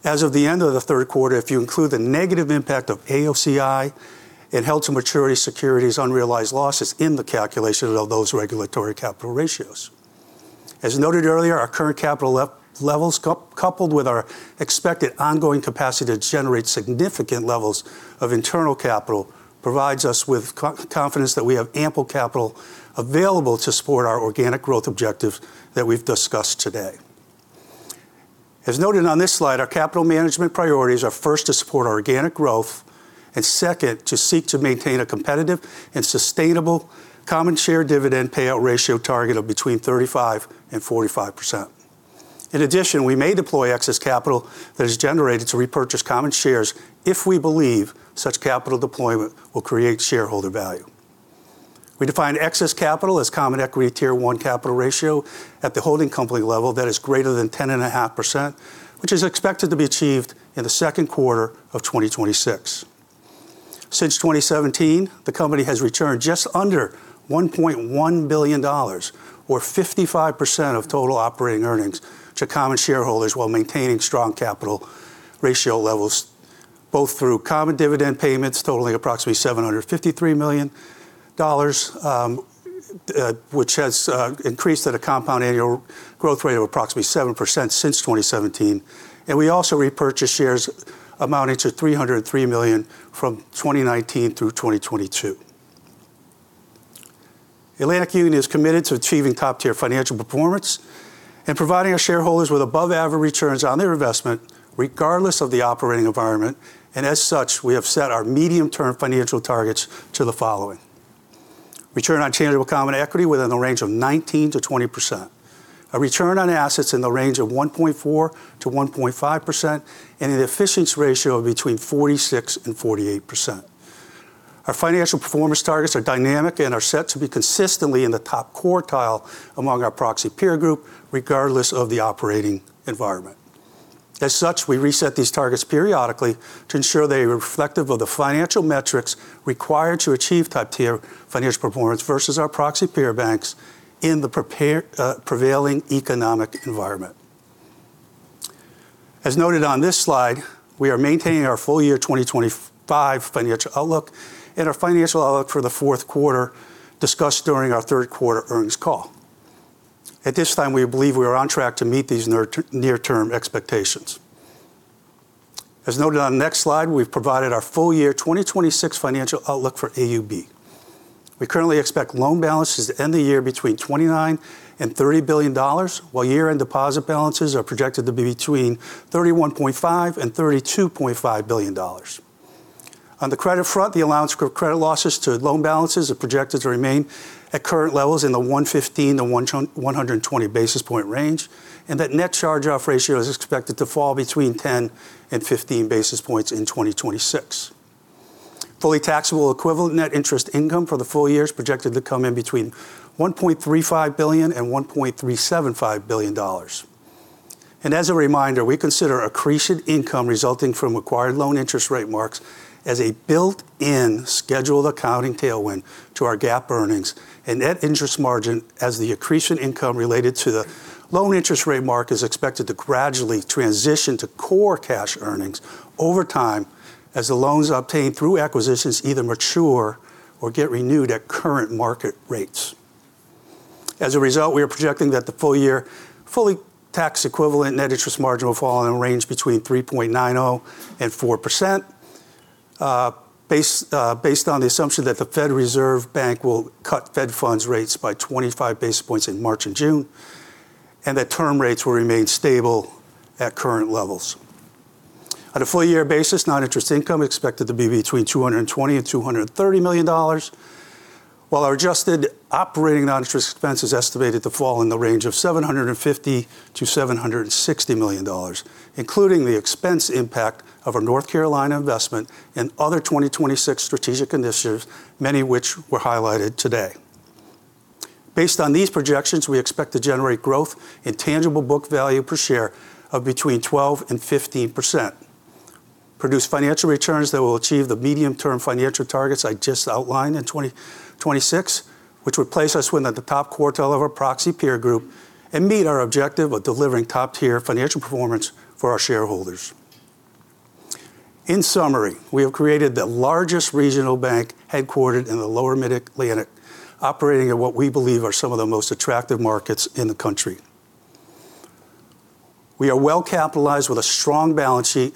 as of the end of the third quarter if you include the negative impact of AOCI and held-to-maturity securities' unrealized losses in the calculation of those regulatory capital ratios. As noted earlier, our current capital levels, coupled with our expected ongoing capacity to generate significant levels of internal capital, provides us with confidence that we have ample capital available to support our organic growth objectives that we've discussed today. As noted on this slide, our capital management priorities are first to support organic growth and second to seek to maintain a competitive and sustainable common share dividend payout ratio target of between 35% and 45%. In addition, we may deploy excess capital that is generated to repurchase common shares if we believe such capital deployment will create shareholder value. We define excess capital as Common Equity Tier 1 capital ratio at the holding company level that is greater than 10.5%, which is expected to be achieved in the second quarter of 2026. Since 2017, the company has returned just under $1.1 billion, or 55% of total operating earnings, to common shareholders while maintaining strong capital ratio levels, both through common dividend payments totaling approximately $753 million, which has increased at a compound annual growth rate of approximately 7% since 2017. And we also repurchased shares amounting to $303 million from 2019 through 2022. Atlantic Union is committed to achieving top-tier financial performance and providing our shareholders with above-average returns on their investment, regardless of the operating environment. And as such, we have set our medium-term financial targets to the following: return on tangible common equity within the range of 19%-20%, a return on assets in the range of 1.4%-1.5%, and an efficiency ratio of between 46% and 48%. Our financial performance targets are dynamic and are set to be consistently in the top quartile among our proxy peer group, regardless of the operating environment. As such, we reset these targets periodically to ensure they are reflective of the financial metrics required to achieve top-tier financial performance versus our proxy peer banks in the prevailing economic environment. As noted on this slide, we are maintaining our full year 2025 financial outlook and our financial outlook for the fourth quarter discussed during our third quarter earnings call. At this time, we believe we are on track to meet these near-term expectations. As noted on the next slide, we've provided our full year 2026 financial outlook for AUB. We currently expect loan balances to end the year between $29-$30 billion, while year-end deposit balances are projected to be between $31.5-$32.5 billion. On the credit front, the allowance for credit losses to loan balances is projected to remain at current levels in the 115-120 basis point range, and that net charge-off ratio is expected to fall between 10 and 15 basis points in 2026. Fully taxable-equivalent net interest income for the full year is projected to come in between $1.35 billion and $1.375 billion. And as a reminder, we consider accretion income resulting from acquired loan interest rate marks as a built-in scheduled accounting tailwind to our GAAP earnings. And net interest margin, as the accretion income related to the loan interest rate mark is expected to gradually transition to core cash earnings over time as the loans obtained through acquisitions either mature or get renewed at current market rates. As a result, we are projecting that the full-year fully taxable-equivalent net interest margin will fall in a range between 3.90% and 4% based on the assumption that the Federal Reserve Bank will cut Fed funds rates by 25 basis points in March and June, and that term rates will remain stable at current levels. On a full year basis, non-interest income is expected to be between $220-$230 million, while our adjusted operating non-interest expenses are estimated to fall in the range of $750-$760 million, including the expense impact of our North Carolina investment and other 2026 strategic initiatives, many of which were highlighted today. Based on these projections, we expect to generate growth in tangible book value per share of between 12% and 15%, produce financial returns that will achieve the medium-term financial targets I just outlined in 2026, which would place us within the top quartile of our proxy peer group and meet our objective of delivering top-tier financial performance for our shareholders. In summary, we have created the largest regional bank headquartered in the lower Mid-Atlantic, operating in what we believe are some of the most attractive markets in the country. We are well-capitalized with a strong balance sheet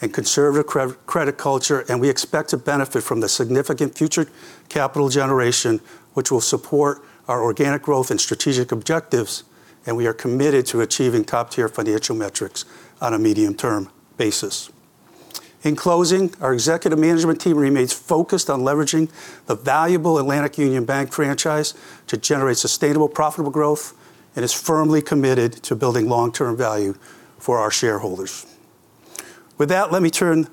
and conservative credit culture, and we expect to benefit from the significant future capital generation, which will support our organic growth and strategic objectives. And we are committed to achieving top-tier financial metrics on a medium-term basis. In closing, our executive management team remains focused on leveraging the valuable Atlantic Union Bank franchise to generate sustainable profitable growth and is firmly committed to building long-term value for our shareholders. With that, let me turn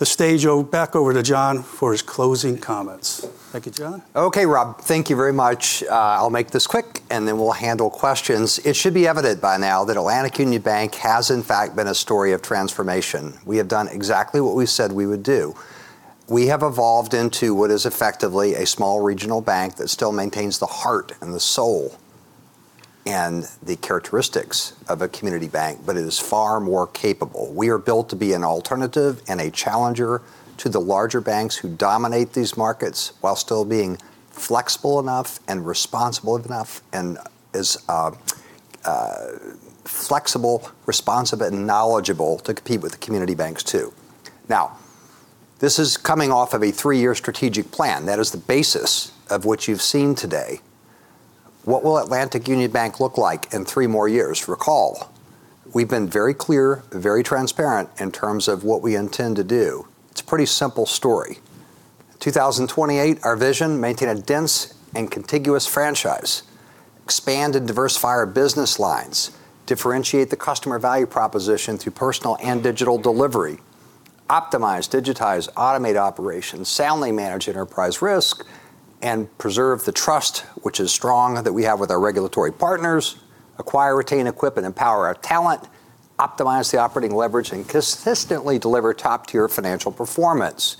the stage back over to John for his closing comments. Thank you, John. Okay, Rob, thank you very much. I'll make this quick, and then we'll handle questions. It should be evident by now that Atlantic Union Bank has, in fact, been a story of transformation. We have done exactly what we said we would do. We have evolved into what is effectively a small regional bank that still maintains the heart and the soul and the characteristics of a community bank, but it is far more capable. We are built to be an alternative and a challenger to the larger banks who dominate these markets while still being flexible enough and responsible enough and as flexible, responsible, and knowledgeable to compete with the community banks too. Now, this is coming off of a three-year strategic plan. That is the basis of what you've seen today. What will Atlantic Union Bank look like in three more years? Recall, we've been very clear, very transparent in terms of what we intend to do. It's a pretty simple story. In 2028, our vision is to maintain a dense and contiguous franchise, expand and diversify our business lines, differentiate the customer value proposition through personal and digital delivery, optimize, digitize, automate operations, soundly manage enterprise risk, and preserve the trust, which is strong, that we have with our regulatory partners, acquire, retain, equip, and empower our talent, optimize the operating leverage, and consistently deliver top-tier financial performance.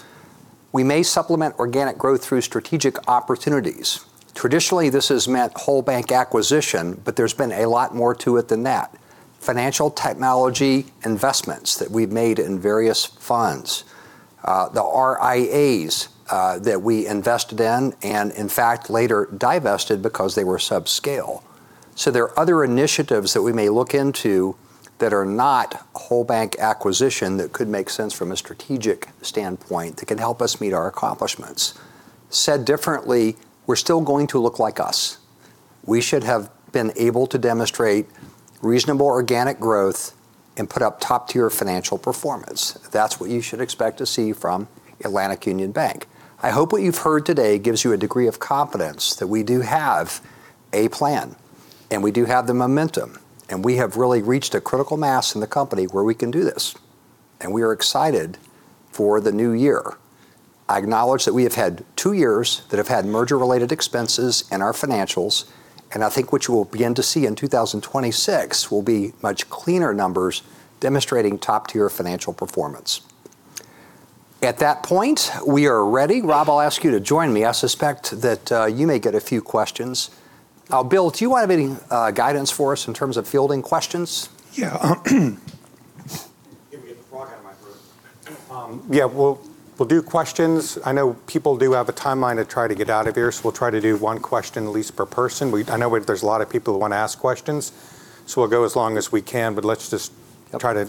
We may supplement organic growth through strategic opportunities. Traditionally, this has meant whole bank acquisition, but there's been a lot more to it than that: financial technology investments that we've made in various funds, the RIAs that we invested in and, in fact, later divested because they were subscale. So there are other initiatives that we may look into that are not whole bank acquisition that could make sense from a strategic standpoint that can help us meet our accomplishments. Said differently, we're still going to look like us. We should have been able to demonstrate reasonable organic growth and put up top-tier financial performance. That's what you should expect to see from Atlantic Union Bank. I hope what you've heard today gives you a degree of confidence that we do have a plan, and we do have the momentum, and we have really reached a critical mass in the company where we can do this. And we are excited for the new year. I acknowledge that we have had two years that have had merger-related expenses in our financials, and I think what you will begin to see in 2026 will be much cleaner numbers demonstrating top-tier financial performance. At that point, we are ready. Rob, I'll ask you to join me. I suspect that you may get a few questions. Bill, do you want to give guidance for us in terms of fielding questions? Yeah. Yeah, we'll do questions. I know people do have a timeline to try to get out of here, so we'll try to do one question at least per person. I know there's a lot of people who want to ask questions, so we'll go as long as we can, but let's just try to.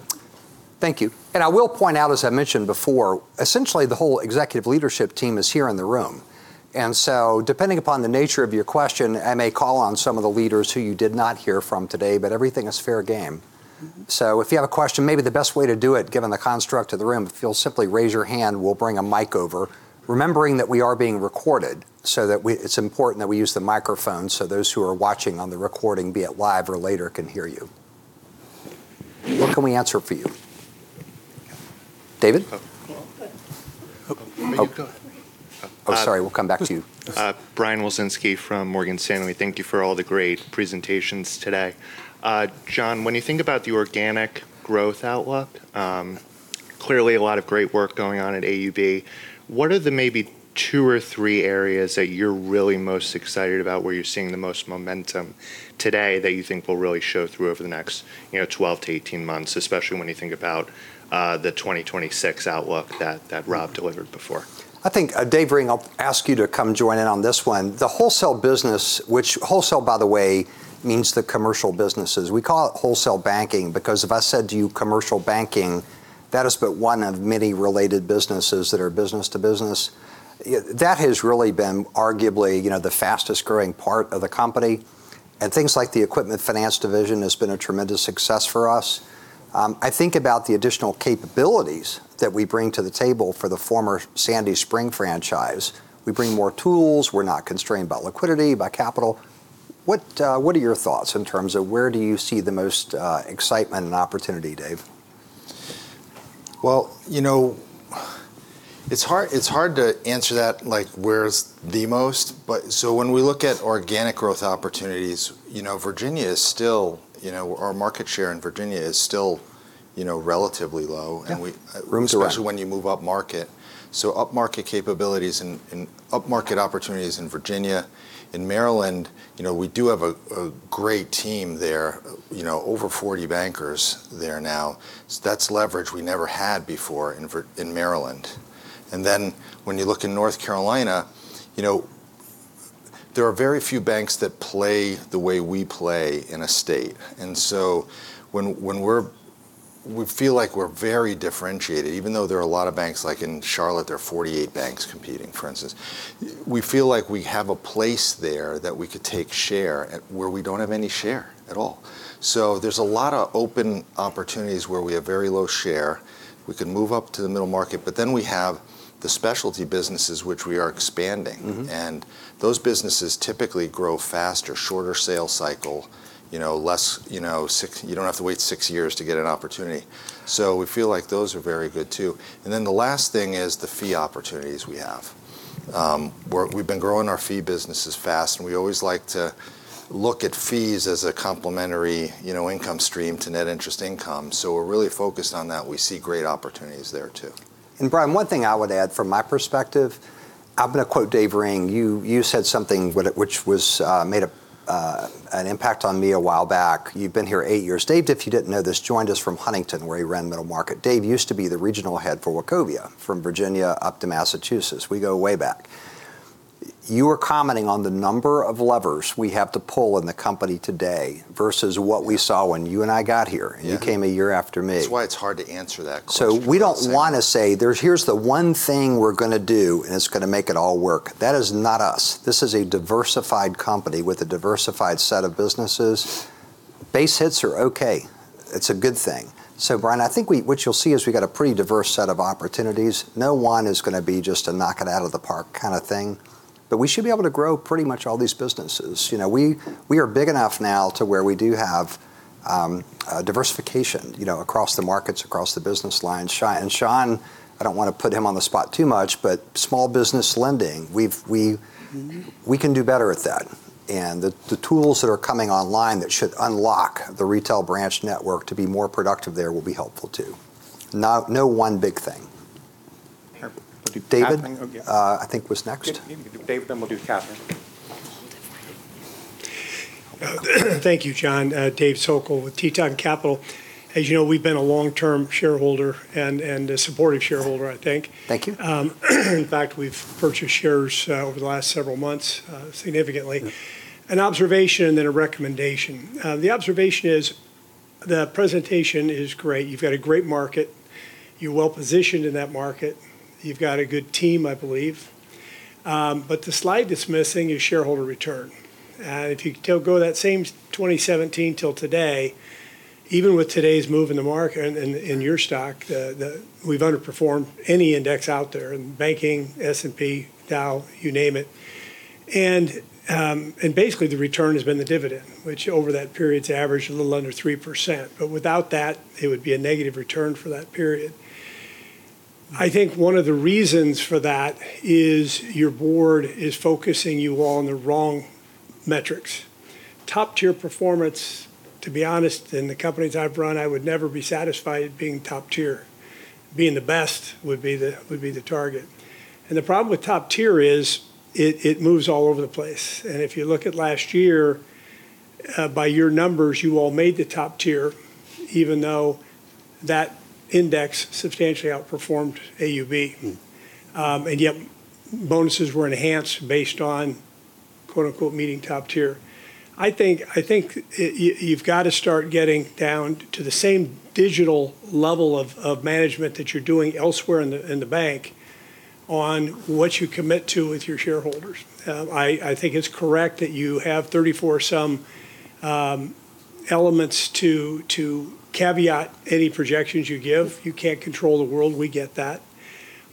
Thank you. And I will point out, as I mentioned before, essentially the whole executive leadership team is here in the room. And so depending upon the nature of your question, I may call on some of the leaders who you did not hear from today, but everything is fair game. So if you have a question, maybe the best way to do it, given the construct of the room, if you'll simply raise your hand, we'll bring a mic over, remembering that we are being recorded so that it's important that we use the microphone so those who are watching on the recording, be it live or later, can hear you. What can we answer for you? David? Oh, sorry. We'll come back to you. Brian Wilczynski from Morgan Stanley. Thank you for all the great presentations today. John, when you think about the organic growth outlook, clearly a lot of great work going on at AUB, what are the maybe two or three areas that you're really most excited about, where you're seeing the most momentum today that you think will really show through over the next 12-18 months, especially when you think about the 2026 outlook that Rob delivered before? I think, Dave Ring, I'll ask you to come join in on this one. The wholesale business, which wholesale, by the way, means the commercial businesses. We call it wholesale banking because if I said to you commercial banking, that is but one of many related businesses that are business to business. That has really been arguably the fastest growing part of the company. And things like the equipment finance division have been a tremendous success for us. I think about the additional capabilities that we bring to the table for the former Sandy Spring franchise. We bring more tools. We're not constrained by liquidity, by capital. What are your thoughts in terms of where do you see the most excitement and opportunity, Dave? Well, it's hard to answer that like where's the most. So when we look at organic growth opportunities, Virginia is still our market share in Virginia is still relatively low, especially when you move upmarket. So upmarket capabilities and upmarket opportunities in Virginia. In Maryland, we do have a great team there, over 40 bankers there now. That's leverage we never had before in Maryland. And then when you look in North Carolina, there are very few banks that play the way we play in a state. And so we feel like we're very differentiated, even though there are a lot of banks like in Charlotte. There are 48 banks competing, for instance. We feel like we have a place there that we could take share where we don't have any share at all. So there's a lot of open opportunities where we have very low share. We could move up to the middle market, but then we have the specialty businesses, which we are expanding. And those businesses typically grow faster, shorter sales cycle, less you don't have to wait six years to get an opportunity. So we feel like those are very good too. And then the last thing is the fee opportunities we have. We've been growing our fee businesses fast, and we always like to look at fees as a complementary income stream to net interest income. So we're really focused on that. We see great opportunities there too. And Brian, one thing I would add from my perspective, I'm going to quote Dave Ring. You said something which made an impact on me a while back. You've been here eight years. Dave, if you didn't know this, joined us from Huntington, where he ran middle market. Dave used to be the regional head for Wachovia from Virginia up to Massachusetts. We go way back. You were commenting on the number of levers we have to pull in the company today versus what we saw when you and I got here. You came a year after me. That's why it's hard to answer that question. So we don't want to say, "Here's the one thing we're going to do, and it's going to make it all work." That is not us. This is a diversified company with a diversified set of businesses. Base hits are okay. It's a good thing, so Brian, I think what you'll see is we got a pretty diverse set of opportunities. No one is going to be just a knock it out of the park kind of thing, but we should be able to grow pretty much all these businesses. We are big enough now to where we do have diversification across the markets, across the business lines, and Shawn, I don't want to put him on the spot too much, but small business lending, we can do better at that, and the tools that are coming online that should unlock the retail branch network to be more productive there will be helpful too. No one big thing. David, I think was next. Thank you, John. Dave Sokol with Teton Capital. As you know, we've been a long-term shareholder and a supportive shareholder, I think. Thank you. In fact, we've purchased shares over the last several months significantly. An observation and then a recommendation. The observation is the presentation is great. You've got a great market. You're well-positioned in that market. You've got a good team, I believe. But the slide that's missing is shareholder return. And if you go that same 2017 till today, even with today's move in the market and your stock, we've underperformed any index out there, banking, S&P, Dow, you name it. And basically, the return has been the dividend, which over that period's averaged a little under 3%. But without that, it would be a negative return for that period. I think one of the reasons for that is your board is focusing you all on the wrong metrics. Top-tier performance, to be honest, in the companies I've run, I would never be satisfied being top-tier. Being the best would be the target. And the problem with top-tier is it moves all over the place. And if you look at last year, by your numbers, you all made the top-tier, even though that index substantially outperformed AUB. And yet bonuses were enhanced based on "meeting top-tier." I think you've got to start getting down to the same digital level of management that you're doing elsewhere in the bank on what you commit to with your shareholders. I think it's correct that you have 34-some elements to caveat any projections you give. You can't control the world. We get that.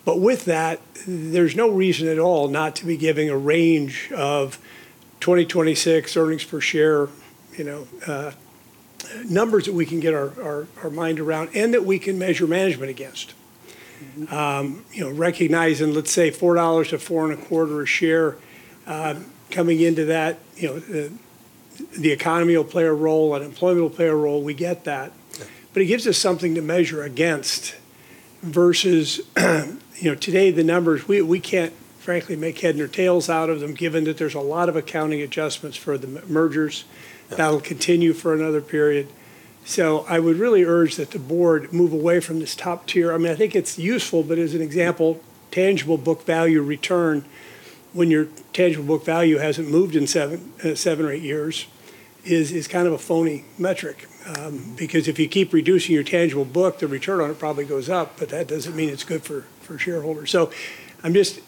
But with that, there's no reason at all not to be giving a range of 2026 earnings per share numbers that we can get our mind around and that we can measure management against. Recognizing, let's say, $4-$4.25 a share coming into that, the economy will play a role, unemployment will play a role. We get that. But it gives us something to measure against versus today, the numbers, we can't, frankly, make head nor tails out of them, given that there's a lot of accounting adjustments for the mergers that will continue for another period. So I would really urge that the board move away from this top-tier. I mean, I think it's useful, but as an example, tangible book value return, when your tangible book value hasn't moved in seven or eight years, is kind of a phony metric. Because if you keep reducing your tangible book, the return on it probably goes up, but that doesn't mean it's good for shareholders. So I'm just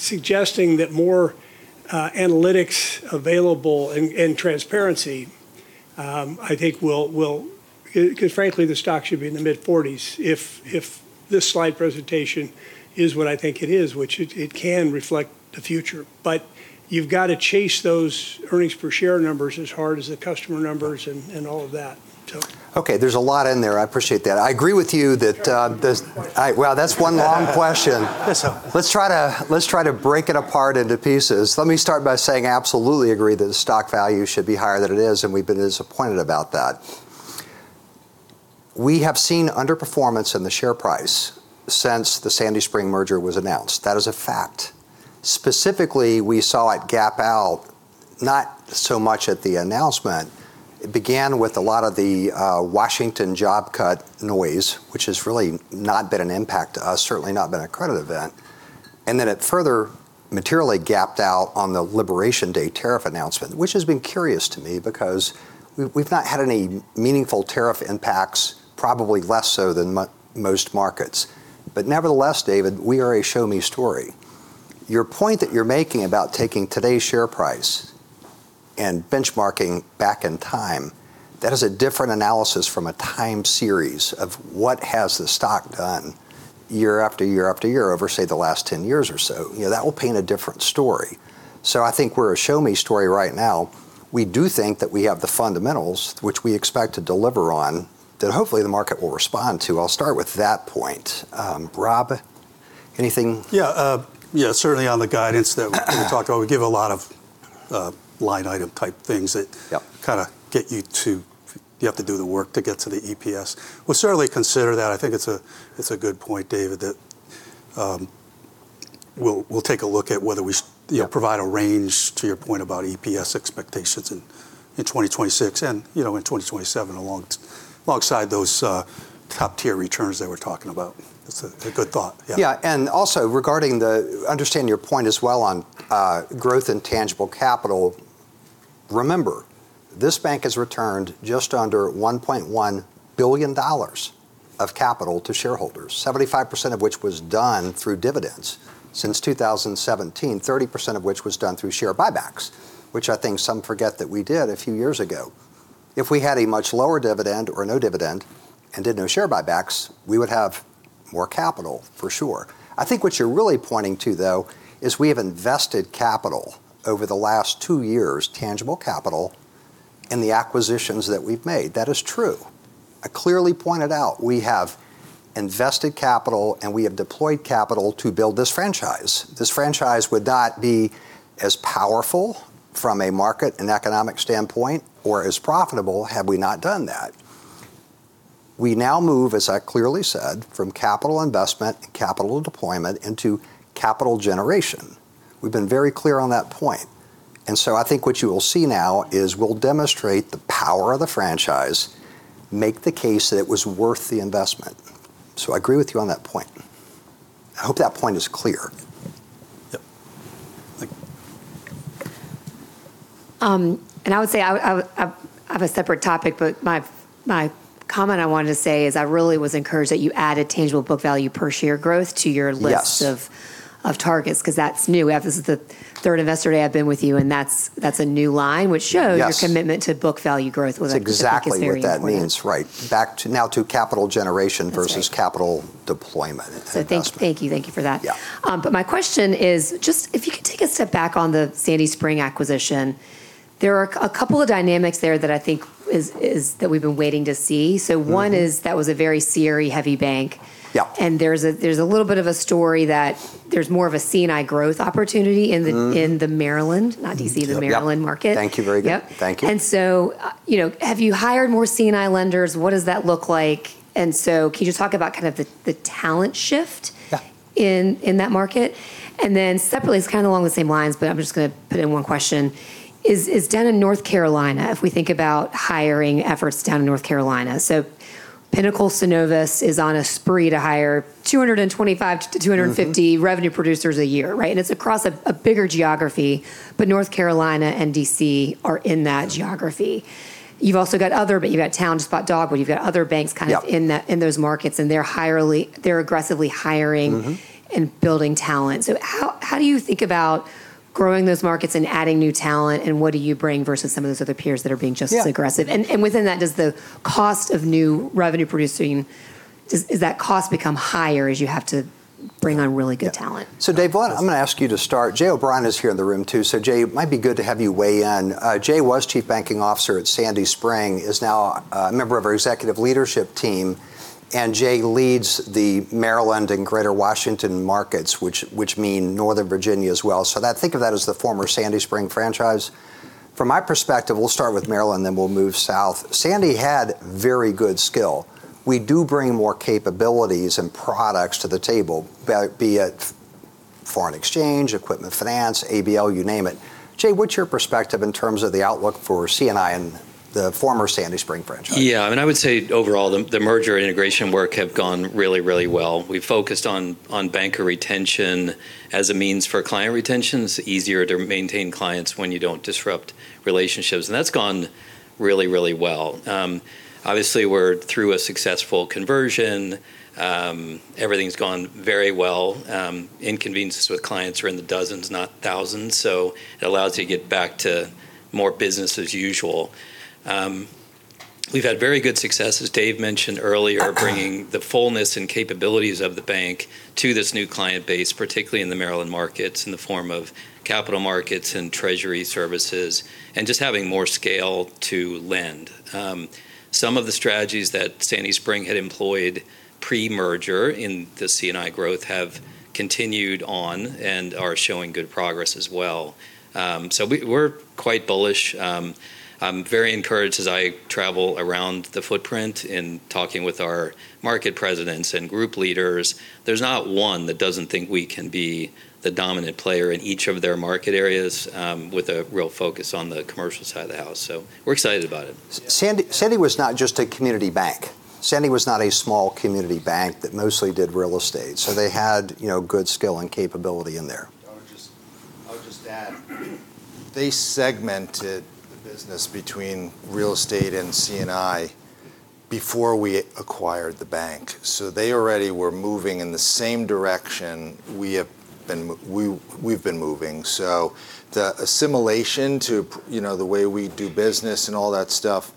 suggesting that more analytics available and transparency, I think, will because, frankly, the stock should be in the mid-40s if this slide presentation is what I think it is, which it can reflect the future. But you've got to chase those earnings per share numbers as hard as the customer numbers and all of that. Okay. There's a lot in there. I appreciate that. I agree with you that, wow, that's one long question. Let's try to break it apart into pieces. Let me start by saying I absolutely agree that the stock value should be higher than it is, and we've been disappointed about that. We have seen underperformance in the share price since the Sandy Spring merger was announced. That is a fact. Specifically, we saw it gap out, not so much at the announcement. It began with a lot of the Washington job cut noise, which has really not been an impact to us, certainly not been a credit event, and then it further materially gapped out on the Liberation Day tariff announcement, which has been curious to me because we've not had any meaningful tariff impacts, probably less so than most markets, but nevertheless, David, we are a show-me story. Your point that you're making about taking today's share price and benchmarking back in time, that is a different analysis from a time series of what has the stock done year after year after year over, say, the last 10 years or so. That will paint a different story, so I think we're a show-me story right now. We do think that we have the fundamentals, which we expect to deliver on, that hopefully the market will respond to. I'll start with that point. Rob, anything? Yeah. Yeah, certainly on the guidance that we talked about, we give a lot of line item type things that kind of get you to you have to do the work to get to the EPS. We'll certainly consider that. I think it's a good point, David, that we'll take a look at whether we provide a range, to your point, about EPS expectations in 2026 and in 2027 alongside those top-tier returns that we're talking about. It's a good thought. Yeah. Yeah. And also, regarding the understanding your point as well on growth and tangible capital, remember, this bank has returned just under $1.1 billion of capital to shareholders, 75% of which was done through dividends since 2017, 30% of which was done through share buybacks, which I think some forget that we did a few years ago. If we had a much lower dividend or no dividend and did no share buybacks, we would have more capital for sure. I think what you're really pointing to, though, is we have invested capital over the last two years, tangible capital in the acquisitions that we've made. That is true. I clearly pointed out we have invested capital and we have deployed capital to build this franchise. This franchise would not be as powerful from a market and economic standpoint or as profitable had we not done that. We now move, as I clearly said, from capital investment and capital deployment into capital generation. We've been very clear on that point. And so I think what you will see now is we'll demonstrate the power of the franchise, make the case that it was worth the investment. So I agree with you on that point. I hope that point is clear. And I would say I have a separate topic, but my comment I wanted to say is I really was encouraged that you added tangible book value per share growth to your list of targets because that's new. This is the third investor day I've been with you, and that's a new line, which shows your commitment to book value growth with a clear history. Exactly what that means. Right. Back now to capital generation versus capital deployment, so thank you. Thank you for that, but my question is just if you could take a step back on the Sandy Spring acquisition. There are a couple of dynamics there that I think that we've been waiting to see, so one is that was a very CRE heavy bank. And there's a little bit of a story that there's more of a C&I growth opportunity in the Maryland, not DC, the Maryland market. Thank you. Very good. Thank you. And so have you hired more C&I lenders? What does that look like? And so can you just talk about kind of the talent shift in that market? And then separately, it's kind of along the same lines, but I'm just going to put in one question. Is down in North Carolina, if we think about hiring efforts down in North Carolina, so Pinnacle, Synovus is on a spree to hire 225-250 revenue producers a year, right? And it's across a bigger geography, but North Carolina and DC are in that geography. You've also got other, but you've got TowneBank, Dogwood, you've got other banks kind of in those markets, and they're aggressively hiring and building talent. So how do you think about growing those markets and adding new talent, and what do you bring versus some of those other peers that are being just as aggressive? And within that, does the cost of new revenue producing, does that cost become higher as you have to bring on really good talent? So Dave, I'm going to ask you to start. Jay O'Brien is here in the room too. So Jay, it might be good to have you weigh in. Jay was Chief Banking Officer at Sandy Spring, is now a member of our executive leadership team, and Jay leads the Maryland and Greater Washington markets, which mean Northern Virginia as well. So think of that as the former Sandy Spring franchise. From my perspective, we'll start with Maryland, then we'll move south. Sandy had very good skill. We do bring more capabilities and products to the table, be it foreign exchange, equipment finance, ABL, you name it. Jay, what's your perspective in terms of the outlook for C&I and the former Sandy Spring franchise? Yeah. I mean, I would say overall, the merger integration work has gone really, really well. We focused on banker retention as a means for client retention. It's easier to maintain clients when you don't disrupt relationships. And that's gone really, really well. Obviously, we're through a successful conversion. Everything's gone very well. Inconveniences with clients are in the dozens, not thousands. So it allows you to get back to more business as usual. We've had very good success, as Dave mentioned earlier, bringing the fullness and capabilities of the bank to this new client base, particularly in the Maryland markets in the form of capital markets and treasury services, and just having more scale to lend. Some of the strategies that Sandy Spring had employed pre-merger in the C&I growth have continued on and are showing good progress as well. So we're quite bullish. I'm very encouraged as I travel around the footprint and talking with our market presidents and group leaders. There's not one that doesn't think we can be the dominant player in each of their market areas with a real focus on the commercial side of the house. So we're excited about it. Sandy was not just a community bank. Sandy was not a small community bank that mostly did real estate. So they had good skill and capability in there. I'll just add they segmented the business between real estate and C&I before we acquired the bank. So they already were moving in the same direction we've been moving. So the assimilation to the way we do business and all that stuff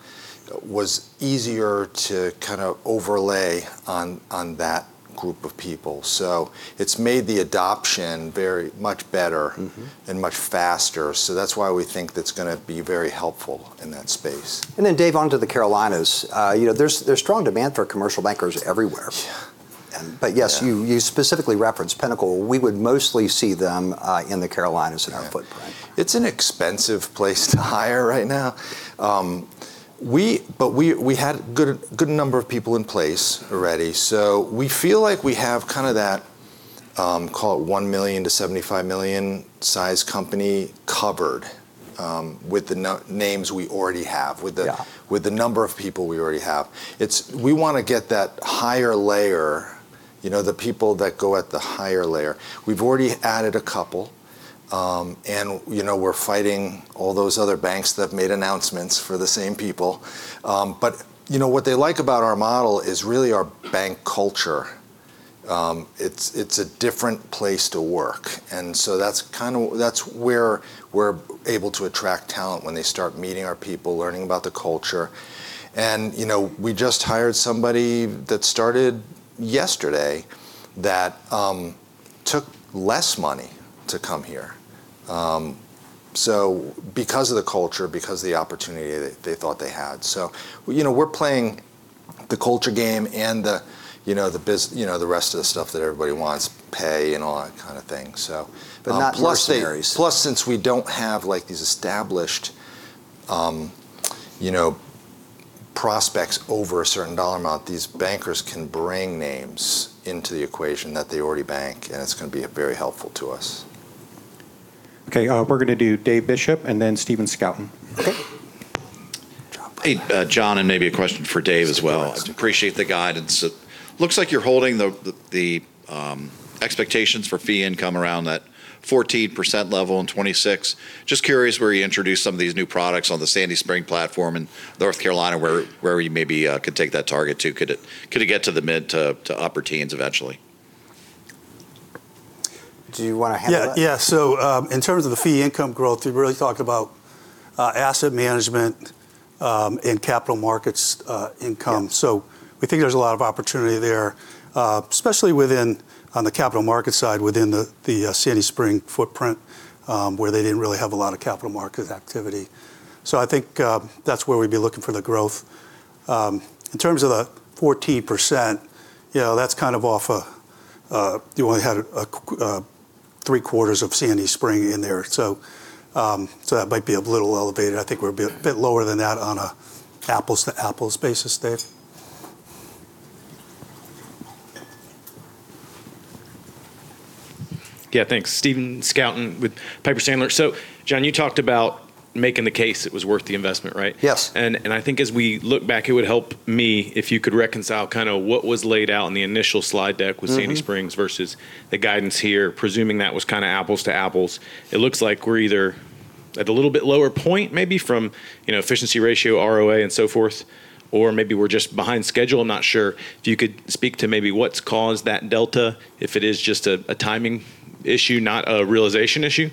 was easier to kind of overlay on that group of people. So it's made the adoption very much better and much faster. So that's why we think that's going to be very helpful in that space. And then, Dave, on to the Carolinas. There's strong demand for commercial bankers everywhere. But yes, you specifically referenced Pinnacle. We would mostly see them in the Carolinas in our footprint. It's an expensive place to hire right now. But we had a good number of people in place already. So we feel like we have kind of that, call it 1 million to 75 million size company covered with the names we already have, with the number of people we already have. We want to get that higher layer, the people that go at the higher layer. We've already added a couple. And we're fighting all those other banks that have made announcements for the same people. But what they like about our model is really our bank culture. It's a different place to work. And so that's where we're able to attract talent when they start meeting our people, learning about the culture. And we just hired somebody that started yesterday that took less money to come here because of the culture, because of the opportunity they thought they had. So we're playing the culture game and the rest of the stuff that everybody wants, pay and all that kind of thing. But not necessary. Plus, since we don't have these established prospects over a certain dollar amount, these bankers can bring names into the equation that they already bank, and it's going to be very helpful to us. Okay. We're going to do Dave Bishop and then Stephen Scouten. Okay. John, and maybe a question for Dave as well. I appreciate the guidance. It looks like you're holding the expectations for fee income around that 14% level in 2026. Just curious where you introduce some of these new products on the Sandy Spring platform in North Carolina, where you maybe could take that target to. Could it get to the mid- to upper teens eventually? Do you want to handle that? Yeah. So in terms of the fee income growth, we really talk about asset management and capital markets income. So we think there's a lot of opportunity there, especially on the capital market side within the Sandy Spring footprint, where they didn't really have a lot of capital market activity. So I think that's where we'd be looking for the growth. In terms of the 14%, that's kind of off of, you only had three quarters of Sandy Spring in there. So that might be a little elevated. I think we're a bit lower than that on an apples-to-apples basis, Dave. Yeah. Thanks. Stephen Scouten with Piper Sandler. So, John, you talked about making the case it was worth the investment, right? Yes. And I think as we look back, it would help me if you could reconcile kind of what was laid out in the initial slide deck with Sandy Spring versus the guidance here, presuming that was kind of apples-to-apples. It looks like we're either at a little bit lower point, maybe from efficiency ratio, ROA, and so forth, or maybe we're just behind schedule. I'm not sure. If you could speak to maybe what's caused that delta, if it is just a timing issue, not a realization issue.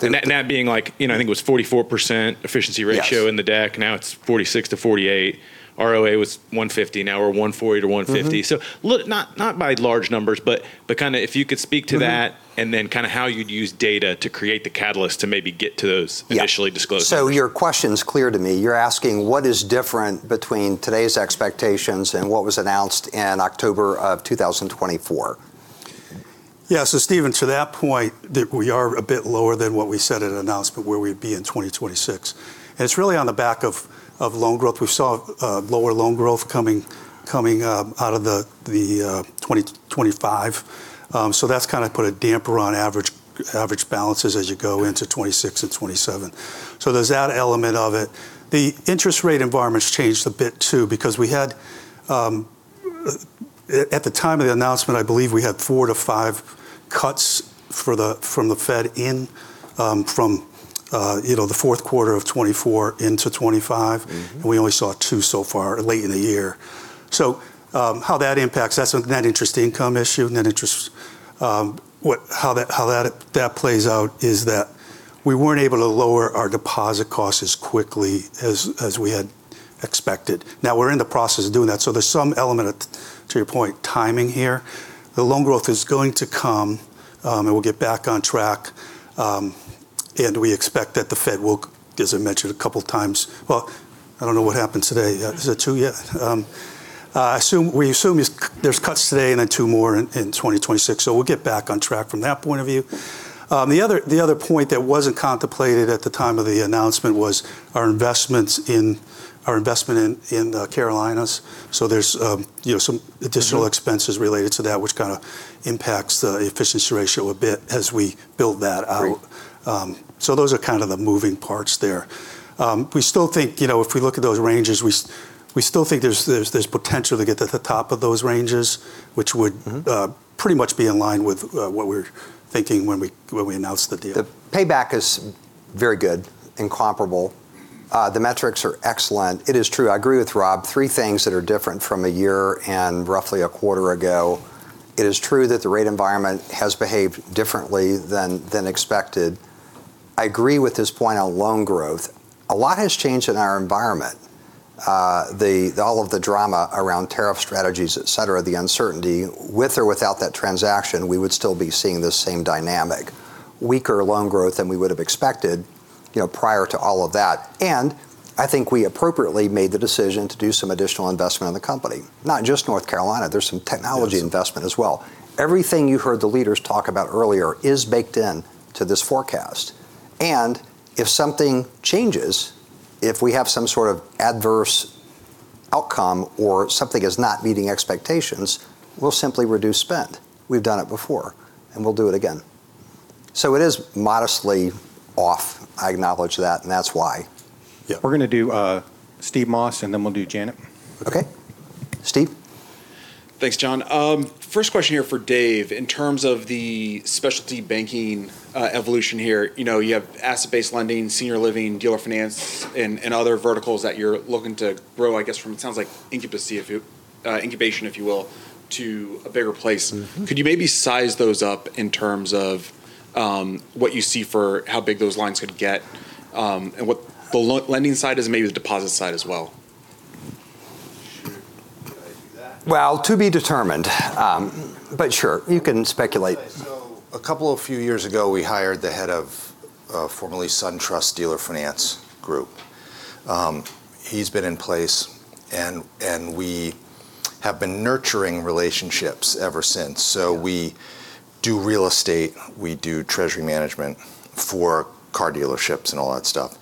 That being like, I think it was 44% efficiency ratio in the deck. Now it's 46%-48%. ROA was 150. Now we're 140-150. So not by large numbers, but kind of if you could speak to that and then kind of how you'd use data to create the catalyst to maybe get to those initially disclosed. So your question is clear to me. You're asking what is different between today's expectations and what was announced in October of 2024. Yeah. So, Stephen, to that point, that we are a bit lower than what we said at announcement where we'd be in 2026. And it's really on the back of loan growth. We saw lower loan growth coming out of the 2025. So that's kind of put a damper on average balances as you go into 2026 and 2027. So there's that element of it. The interest rate environment's changed a bit too because we had, at the time of the announcement, I believe we had four to five cuts from the Fed from the fourth quarter of 2024 into 2025. And we only saw two so far late in the year. So how that impacts, that's an interest income issue. How that plays out is that we weren't able to lower our deposit costs as quickly as we had expected. Now we're in the process of doing that. So there's some element, to your point, timing here. The loan growth is going to come, and we'll get back on track. And we expect that the Fed will, as I mentioned a couple of times, well, I don't know what happens today. Is it two yet? We assume there's cuts today and then two more in 2026. So we'll get back on track from that point of view. The other point that wasn't contemplated at the time of the announcement was our investment in Carolinas. So there's some additional expenses related to that, which kind of impacts the efficiency ratio a bit as we build that out. So those are kind of the moving parts there. We still think, if we look at those ranges, we still think there's potential to get to the top of those ranges, which would pretty much be in line with what we're thinking when we announced the deal. The payback is very good, incomparable. The metrics are excellent. It is true. I agree with Rob. Three things that are different from a year and roughly a quarter ago. It is true that the rate environment has behaved differently than expected. I agree with this point on loan growth. A lot has changed in our environment. All of the drama around tariff strategies, et cetera, the uncertainty, with or without that transaction, we would still be seeing the same dynamic. Weaker loan growth than we would have expected prior to all of that, and I think we appropriately made the decision to do some additional investment in the company. Not just North Carolina. There's some technology investment as well. Everything you heard the leaders talk about earlier is baked into this forecast. And if something changes, if we have some sort of adverse outcome or something is not meeting expectations, we'll simply reduce spend. We've done it before, and we'll do it again. So it is modestly off. I acknowledge that, and that's why. Yeah. We're going to do Steve Moss, and then we'll do Janet. Okay. Steve. Thanks, John. First question here for Dave. In terms of the specialty banking evolution here, you have asset-based lending, senior living, dealer finance, and other verticals that you're looking to grow, I guess, from, it sounds like, incubation, if you will, to a bigger place. Could you maybe size those up in terms of what you see for how big those lines could get and what the lending side is and maybe the deposit side as well? Well, to be determined. But sure, you can speculate. So a few years ago, we hired the head of formerly SunTrust Dealer Finance Group. He's been in place, and we have been nurturing relationships ever since. So we do real estate. We do treasury management for car dealerships and all that stuff.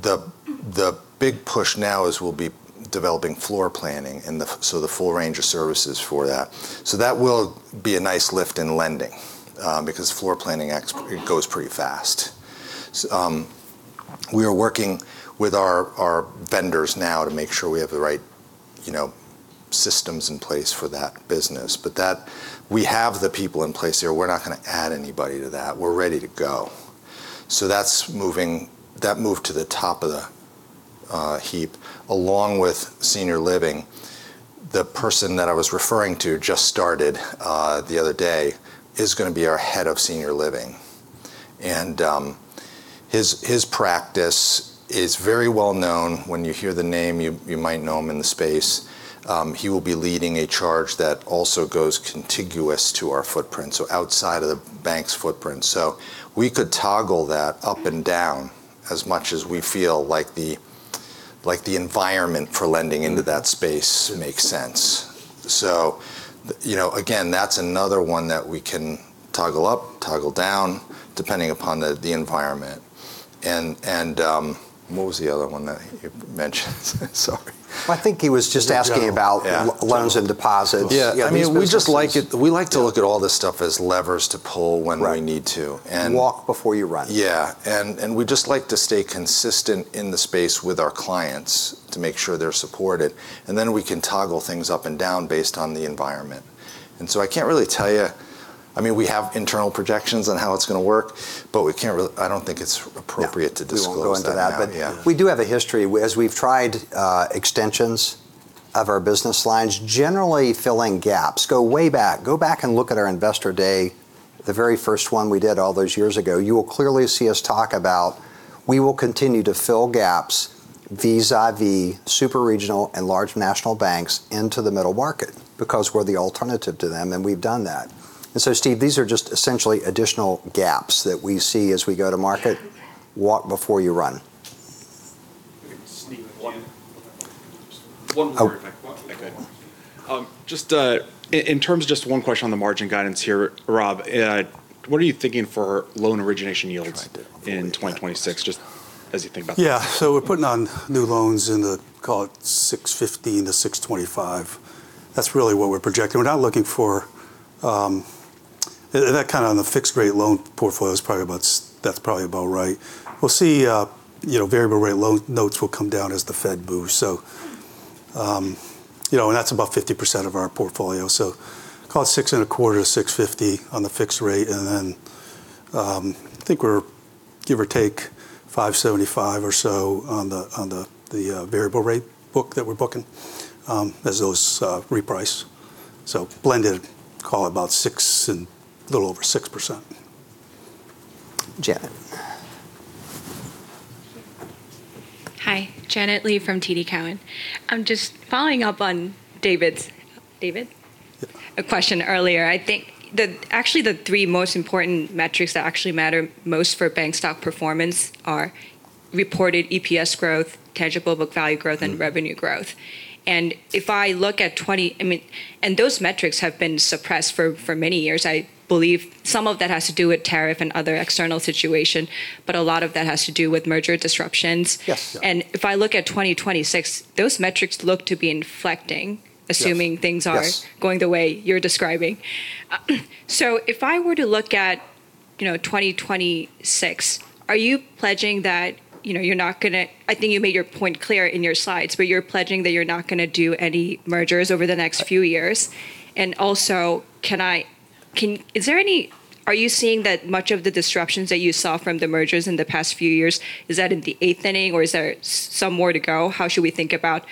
The big push now is we'll be developing floor planning, so the full range of services for that. So that will be a nice lift in lending because floor planning goes pretty fast. We are working with our vendors now to make sure we have the right systems in place for that business. But we have the people in place here. We're not going to add anybody to that. We're ready to go. So that move to the top of the heap, along with senior living, the person that I was referring to just started the other day is going to be our head of senior living. And his practice is very well known. When you hear the name, you might know him in the space. He will be leading a charge that also goes contiguous to our footprint, so outside of the bank's footprint. So we could toggle that up and down as much as we feel like the environment for lending into that space makes sense. So again, that's another one that we can toggle up, toggle down, depending upon the environment. And what was the other one that you mentioned? Sorry. I think he was just asking about loans and deposits. Yeah. I mean, we just like it. We like to look at all this stuff as levers to pull when we need to. Walk before you run. Yeah, and we just like to stay consistent in the space with our clients to make sure they're supported, and then we can toggle things up and down based on the environment, and so I can't really tell you. I mean, we have internal projections on how it's going to work, but I don't think it's appropriate to disclose that. We'll go into that, but we do have a history. As we've tried extensions of our business lines, generally filling gaps, go way back. Go back and look at our investor day, the very first one we did all those years ago. You will clearly see us talk about, "We will continue to fill gaps vis-à-vis super regional and large national banks into the middle market because we're the alternative to them, and we've done that." And so, Steve, these are just essentially additional gaps that we see as we go to market. Walk before you run. Steven. One more quick. Just in terms of just one question on the margin guidance here, Rob, what are you thinking for loan origination yields in 2026, just as you think about that? Yeah. So we're putting on new loans in the, call it 615-625. That's really what we're projecting. We're not looking for that kind of on the fixed-rate loan portfolio. That's probably about right. We'll see. Variable rate loan notes will come down as the Fed boosts. And that's about 50% of our portfolio. So call it 6.25-6.50 on the fixed rate. And then I think we're, give or take, 5.75 or so on the variable rate book that we're booking as those reprice. So blended, call it about 6% and a little over 6%. Janet. Hi. Janet Lee from TD Cowen. I'm just following up on David's. David? A question earlier. I think actually the three most important metrics that actually matter most for bank stock performance are reported EPS growth, tangible book value growth, and revenue growth. And if I look at 2020 and those metrics have been suppressed for many years. I believe some of that has to do with tariff and other external situation, but a lot of that has to do with merger disruptions. And if I look at 2026, those metrics look to be inflecting, assuming things are going the way you're describing. So if I were to look at 2026, are you pledging that you're not going to? I think you made your point clear in your slides, but you're pledging that you're not going to do any mergers over the next few years, and also, are you seeing that much of the disruptions that you saw from the mergers in the past few years? Is that in the eighth inning, or is there some more to go? How should we think about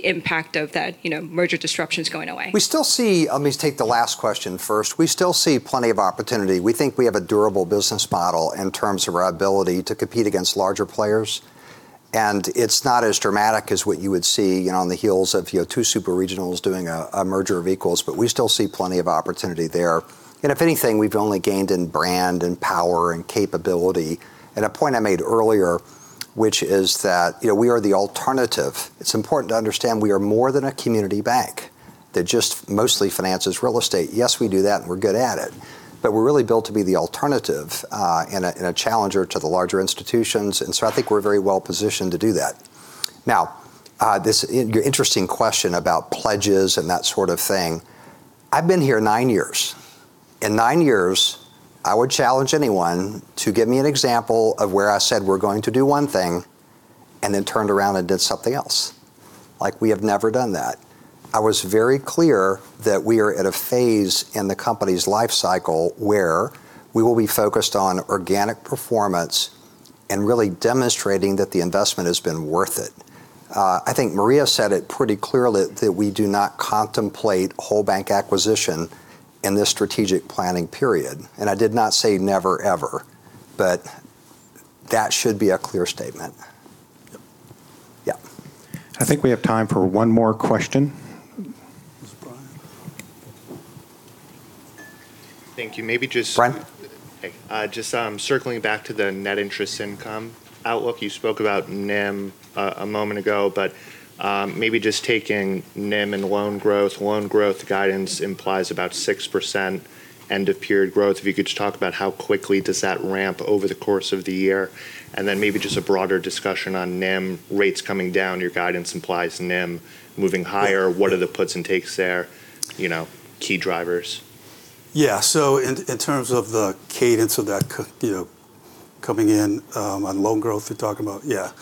the impact of that merger disruptions going away? Let me take the last question first. We still see plenty of opportunity. We think we have a durable business model in terms of our ability to compete against larger players. And it's not as dramatic as what you would see on the heels of two super regionals doing a merger of equals, but we still see plenty of opportunity there. And if anything, we've only gained in brand and power and capability. And a point I made earlier, which is that we are the alternative. It's important to understand we are more than a community bank that just mostly finances real estate. Yes, we do that, and we're good at it. But we're really built to be the alternative and a challenger to the larger institutions. And so I think we're very well positioned to do that. Now, your interesting question about pledges and that sort of thing, I've been here nine years. In nine years, I would challenge anyone to give me an example of where I said we're going to do one thing and then turned around and did something else. We have never done that. I was very clear that we are at a phase in the company's life cycle where we will be focused on organic performance and really demonstrating that the investment has been worth it. I think Maria said it pretty clearly that we do not contemplate whole bank acquisition in this strategic planning period. And I did not say never, ever, but that should be a clear statement. Yeah. I think we have time for one more question. Thank you. Maybe just circling back to the net interest income outlook. You spoke about NIM a moment ago, but maybe just taking NIM and loan growth, loan growth guidance implies about 6% end-of-period growth. If you could just talk about how quickly does that ramp over the course of the year? And then maybe just a broader discussion on NIM rates coming down. Your guidance implies NIM moving higher. What are the puts and takes there, key drivers? Yeah. So in terms of the cadence of that coming in on loan growth you're talking about, yeah.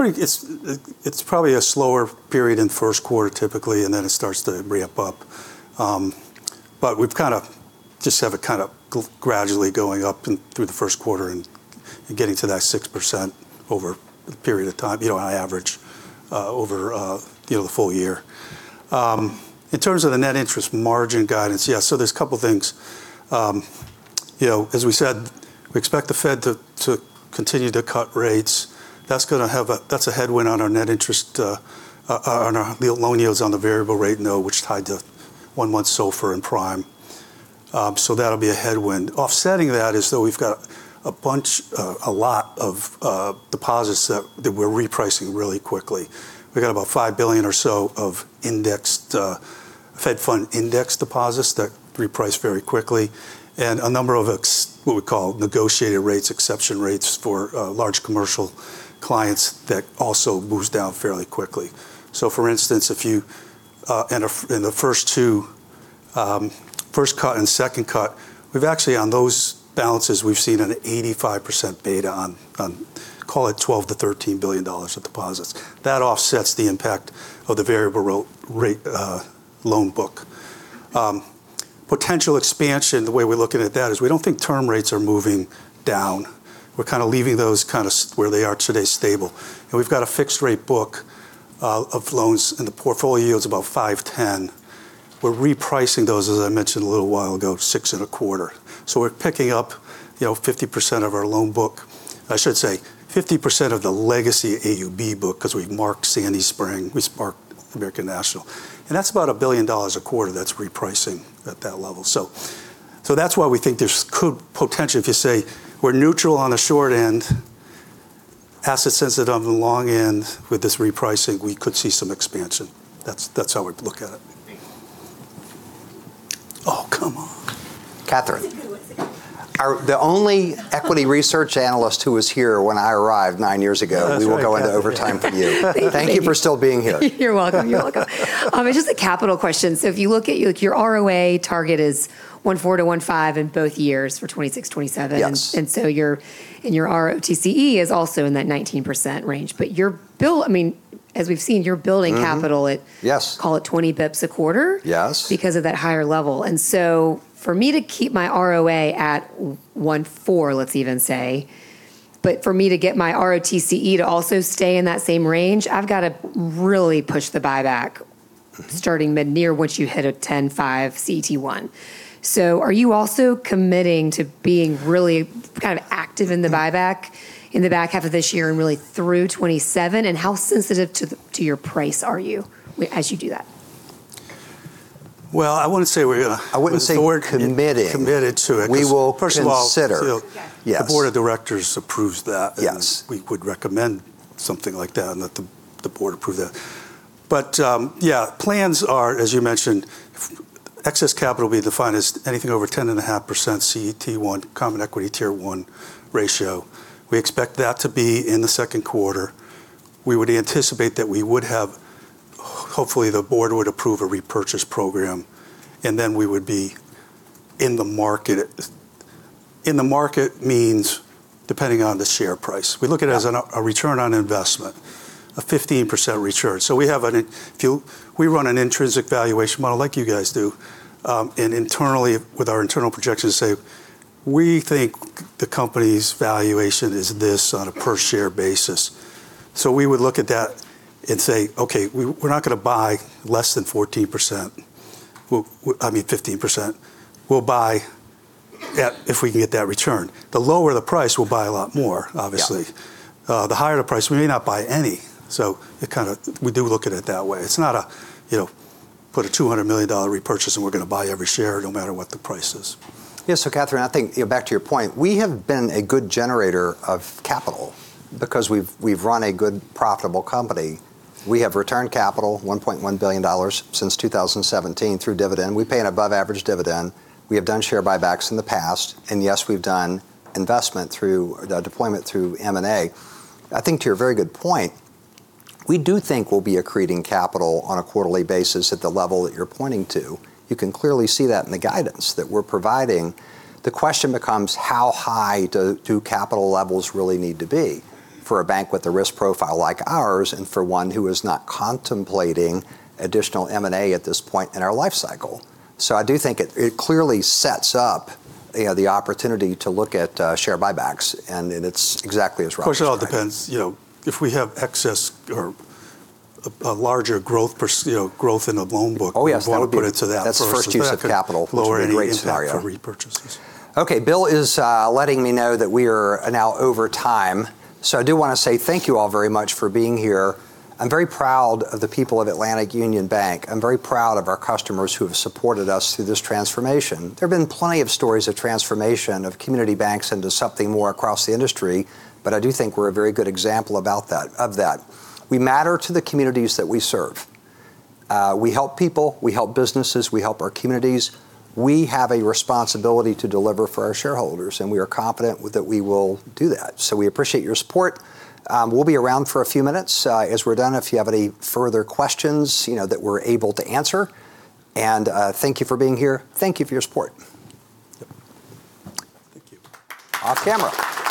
It's probably a slower period in first quarter typically, and then it starts to ramp up. But we've kind of just have it kind of gradually going up through the first quarter and getting to that 6% over a period of time, on average, over the full year. In terms of the net interest margin guidance, yeah. So there's a couple of things. As we said, we expect the Fed to continue to cut rates. That's a headwind on our net interest, on our loan yields on the variable rate note, which tied to one-month SOFR and prime. So that'll be a headwind. Offsetting that is we've got a bunch, a lot of deposits that we're repricing really quickly. We've got about $5 billion or so of indexed Fed fund index deposits that reprice very quickly. And a number of what we call negotiated rates, exception rates for large commercial clients that also come down fairly quickly. So for instance, in the first cut and second cut, we've actually on those balances seen an 85% beta on, call it, $12-$13 billion of deposits. That offsets the impact of the variable rate loan book. Potential expansion, the way we're looking at that is we don't think term rates are moving down. We're kind of leaving those kind of where they are today, stable. And we've got a fixed-rate book of loans in the portfolio yields about 5.10%. We're repricing those, as I mentioned a little while ago, 6.25%. So we're picking up 50% of our loan book. I should say 50% of the legacy AUB book because we've marked Sandy Spring. We've marked American National. And that's about $1 billion a quarter that's repricing at that level. So that's why we think there could potentially, if you say we're neutral on the short end, asset-sensitive on the long end with this repricing, we could see some expansion. That's how we look at it. Oh, come on. Catherine. The only equity research analyst who was here when I arrived nine years ago. We will go into overtime for you. Thank you for still being here. You're welcome. You're welcome. It's just a capital question. So if you look at your ROA target, it's 1.4%-1.5% in both years for 2026, 2027. And so your ROTCE is also in that 19% range. But, I mean, as we've seen, you're building capital at, call it, 20 basis points a quarter because of that higher level. And so for me to keep my ROA at 1.4%, let's even say, but for me to get my ROTCE to also stay in that same range, I've got to really push the buyback starting mid-year once you hit 10.5% CET1. So are you also committing to being really kind of active in the buyback in the back half of this year and really through 2027? And how sensitive to your price are you as you do that? Well, I want to say we're. I wouldn't say we're committed. Committed to it. We will consider. The board of directors approves that. We would recommend something like that and that the board approved that. But yeah, plans are, as you mentioned, excess capital will be defined as anything over 10.5% CET1, Common Equity Tier 1 ratio. We expect that to be in the second quarter. We would anticipate that we would have, hopefully, the board would approve a repurchase program, and then we would be in the market. In the market means, depending on the share price. We look at it as a return on investment, a 15% return. So we have and we run an intrinsic valuation model like you guys do, and internally, with our internal projections, say, we think the company's valuation is this on a per-share basis. So we would look at that and say, "Okay, we're not going to buy less than 14%. I mean, 15%. We'll buy if we can get that return. The lower the price, we'll buy a lot more, obviously. The higher the price, we may not buy any. So we do look at it that way. It's not a put a $200 million repurchase and we're going to buy every share no matter what the price is. Yeah. So Catherine, I think back to your point, we have been a good generator of capital because we've run a good, profitable company. We have returned capital, $1.1 billion since 2017 through dividend. We pay an above-average dividend. We have done share buybacks in the past. And yes, we've done investment through deployment through M&A. I think to your very good point, we do think we'll be accreting capital on a quarterly basis at the level that you're pointing to. You can clearly see that in the guidance that we're providing. The question becomes, how high do capital levels really need to be for a bank with a risk profile like ours and for one who is not contemplating additional M&A at this point in our life cycle? So I do think it clearly sets up the opportunity to look at share buybacks, and it's exactly as Rob said. Of course, it all depends. If we have excess or a larger growth in the loan book, we want to put it to that. That's the first use of capital. Lowering rates for repurchases. Okay. Bill is letting me know that we are now over time. So I do want to say thank you all very much for being here. I'm very proud of the people of Atlantic Union Bank. I'm very proud of our customers who have supported us through this transformation. There have been plenty of stories of transformation of community banks into something more across the industry, but I do think we're a very good example of that. We matter to the communities that we serve. We help people. We help businesses. We help our communities. We have a responsibility to deliver for our shareholders, and we are confident that we will do that. So we appreciate your support. We'll be around for a few minutes as we're done. If you have any further questions that we're able to answer, and thank you for being here. Thank you for your support. Thank you.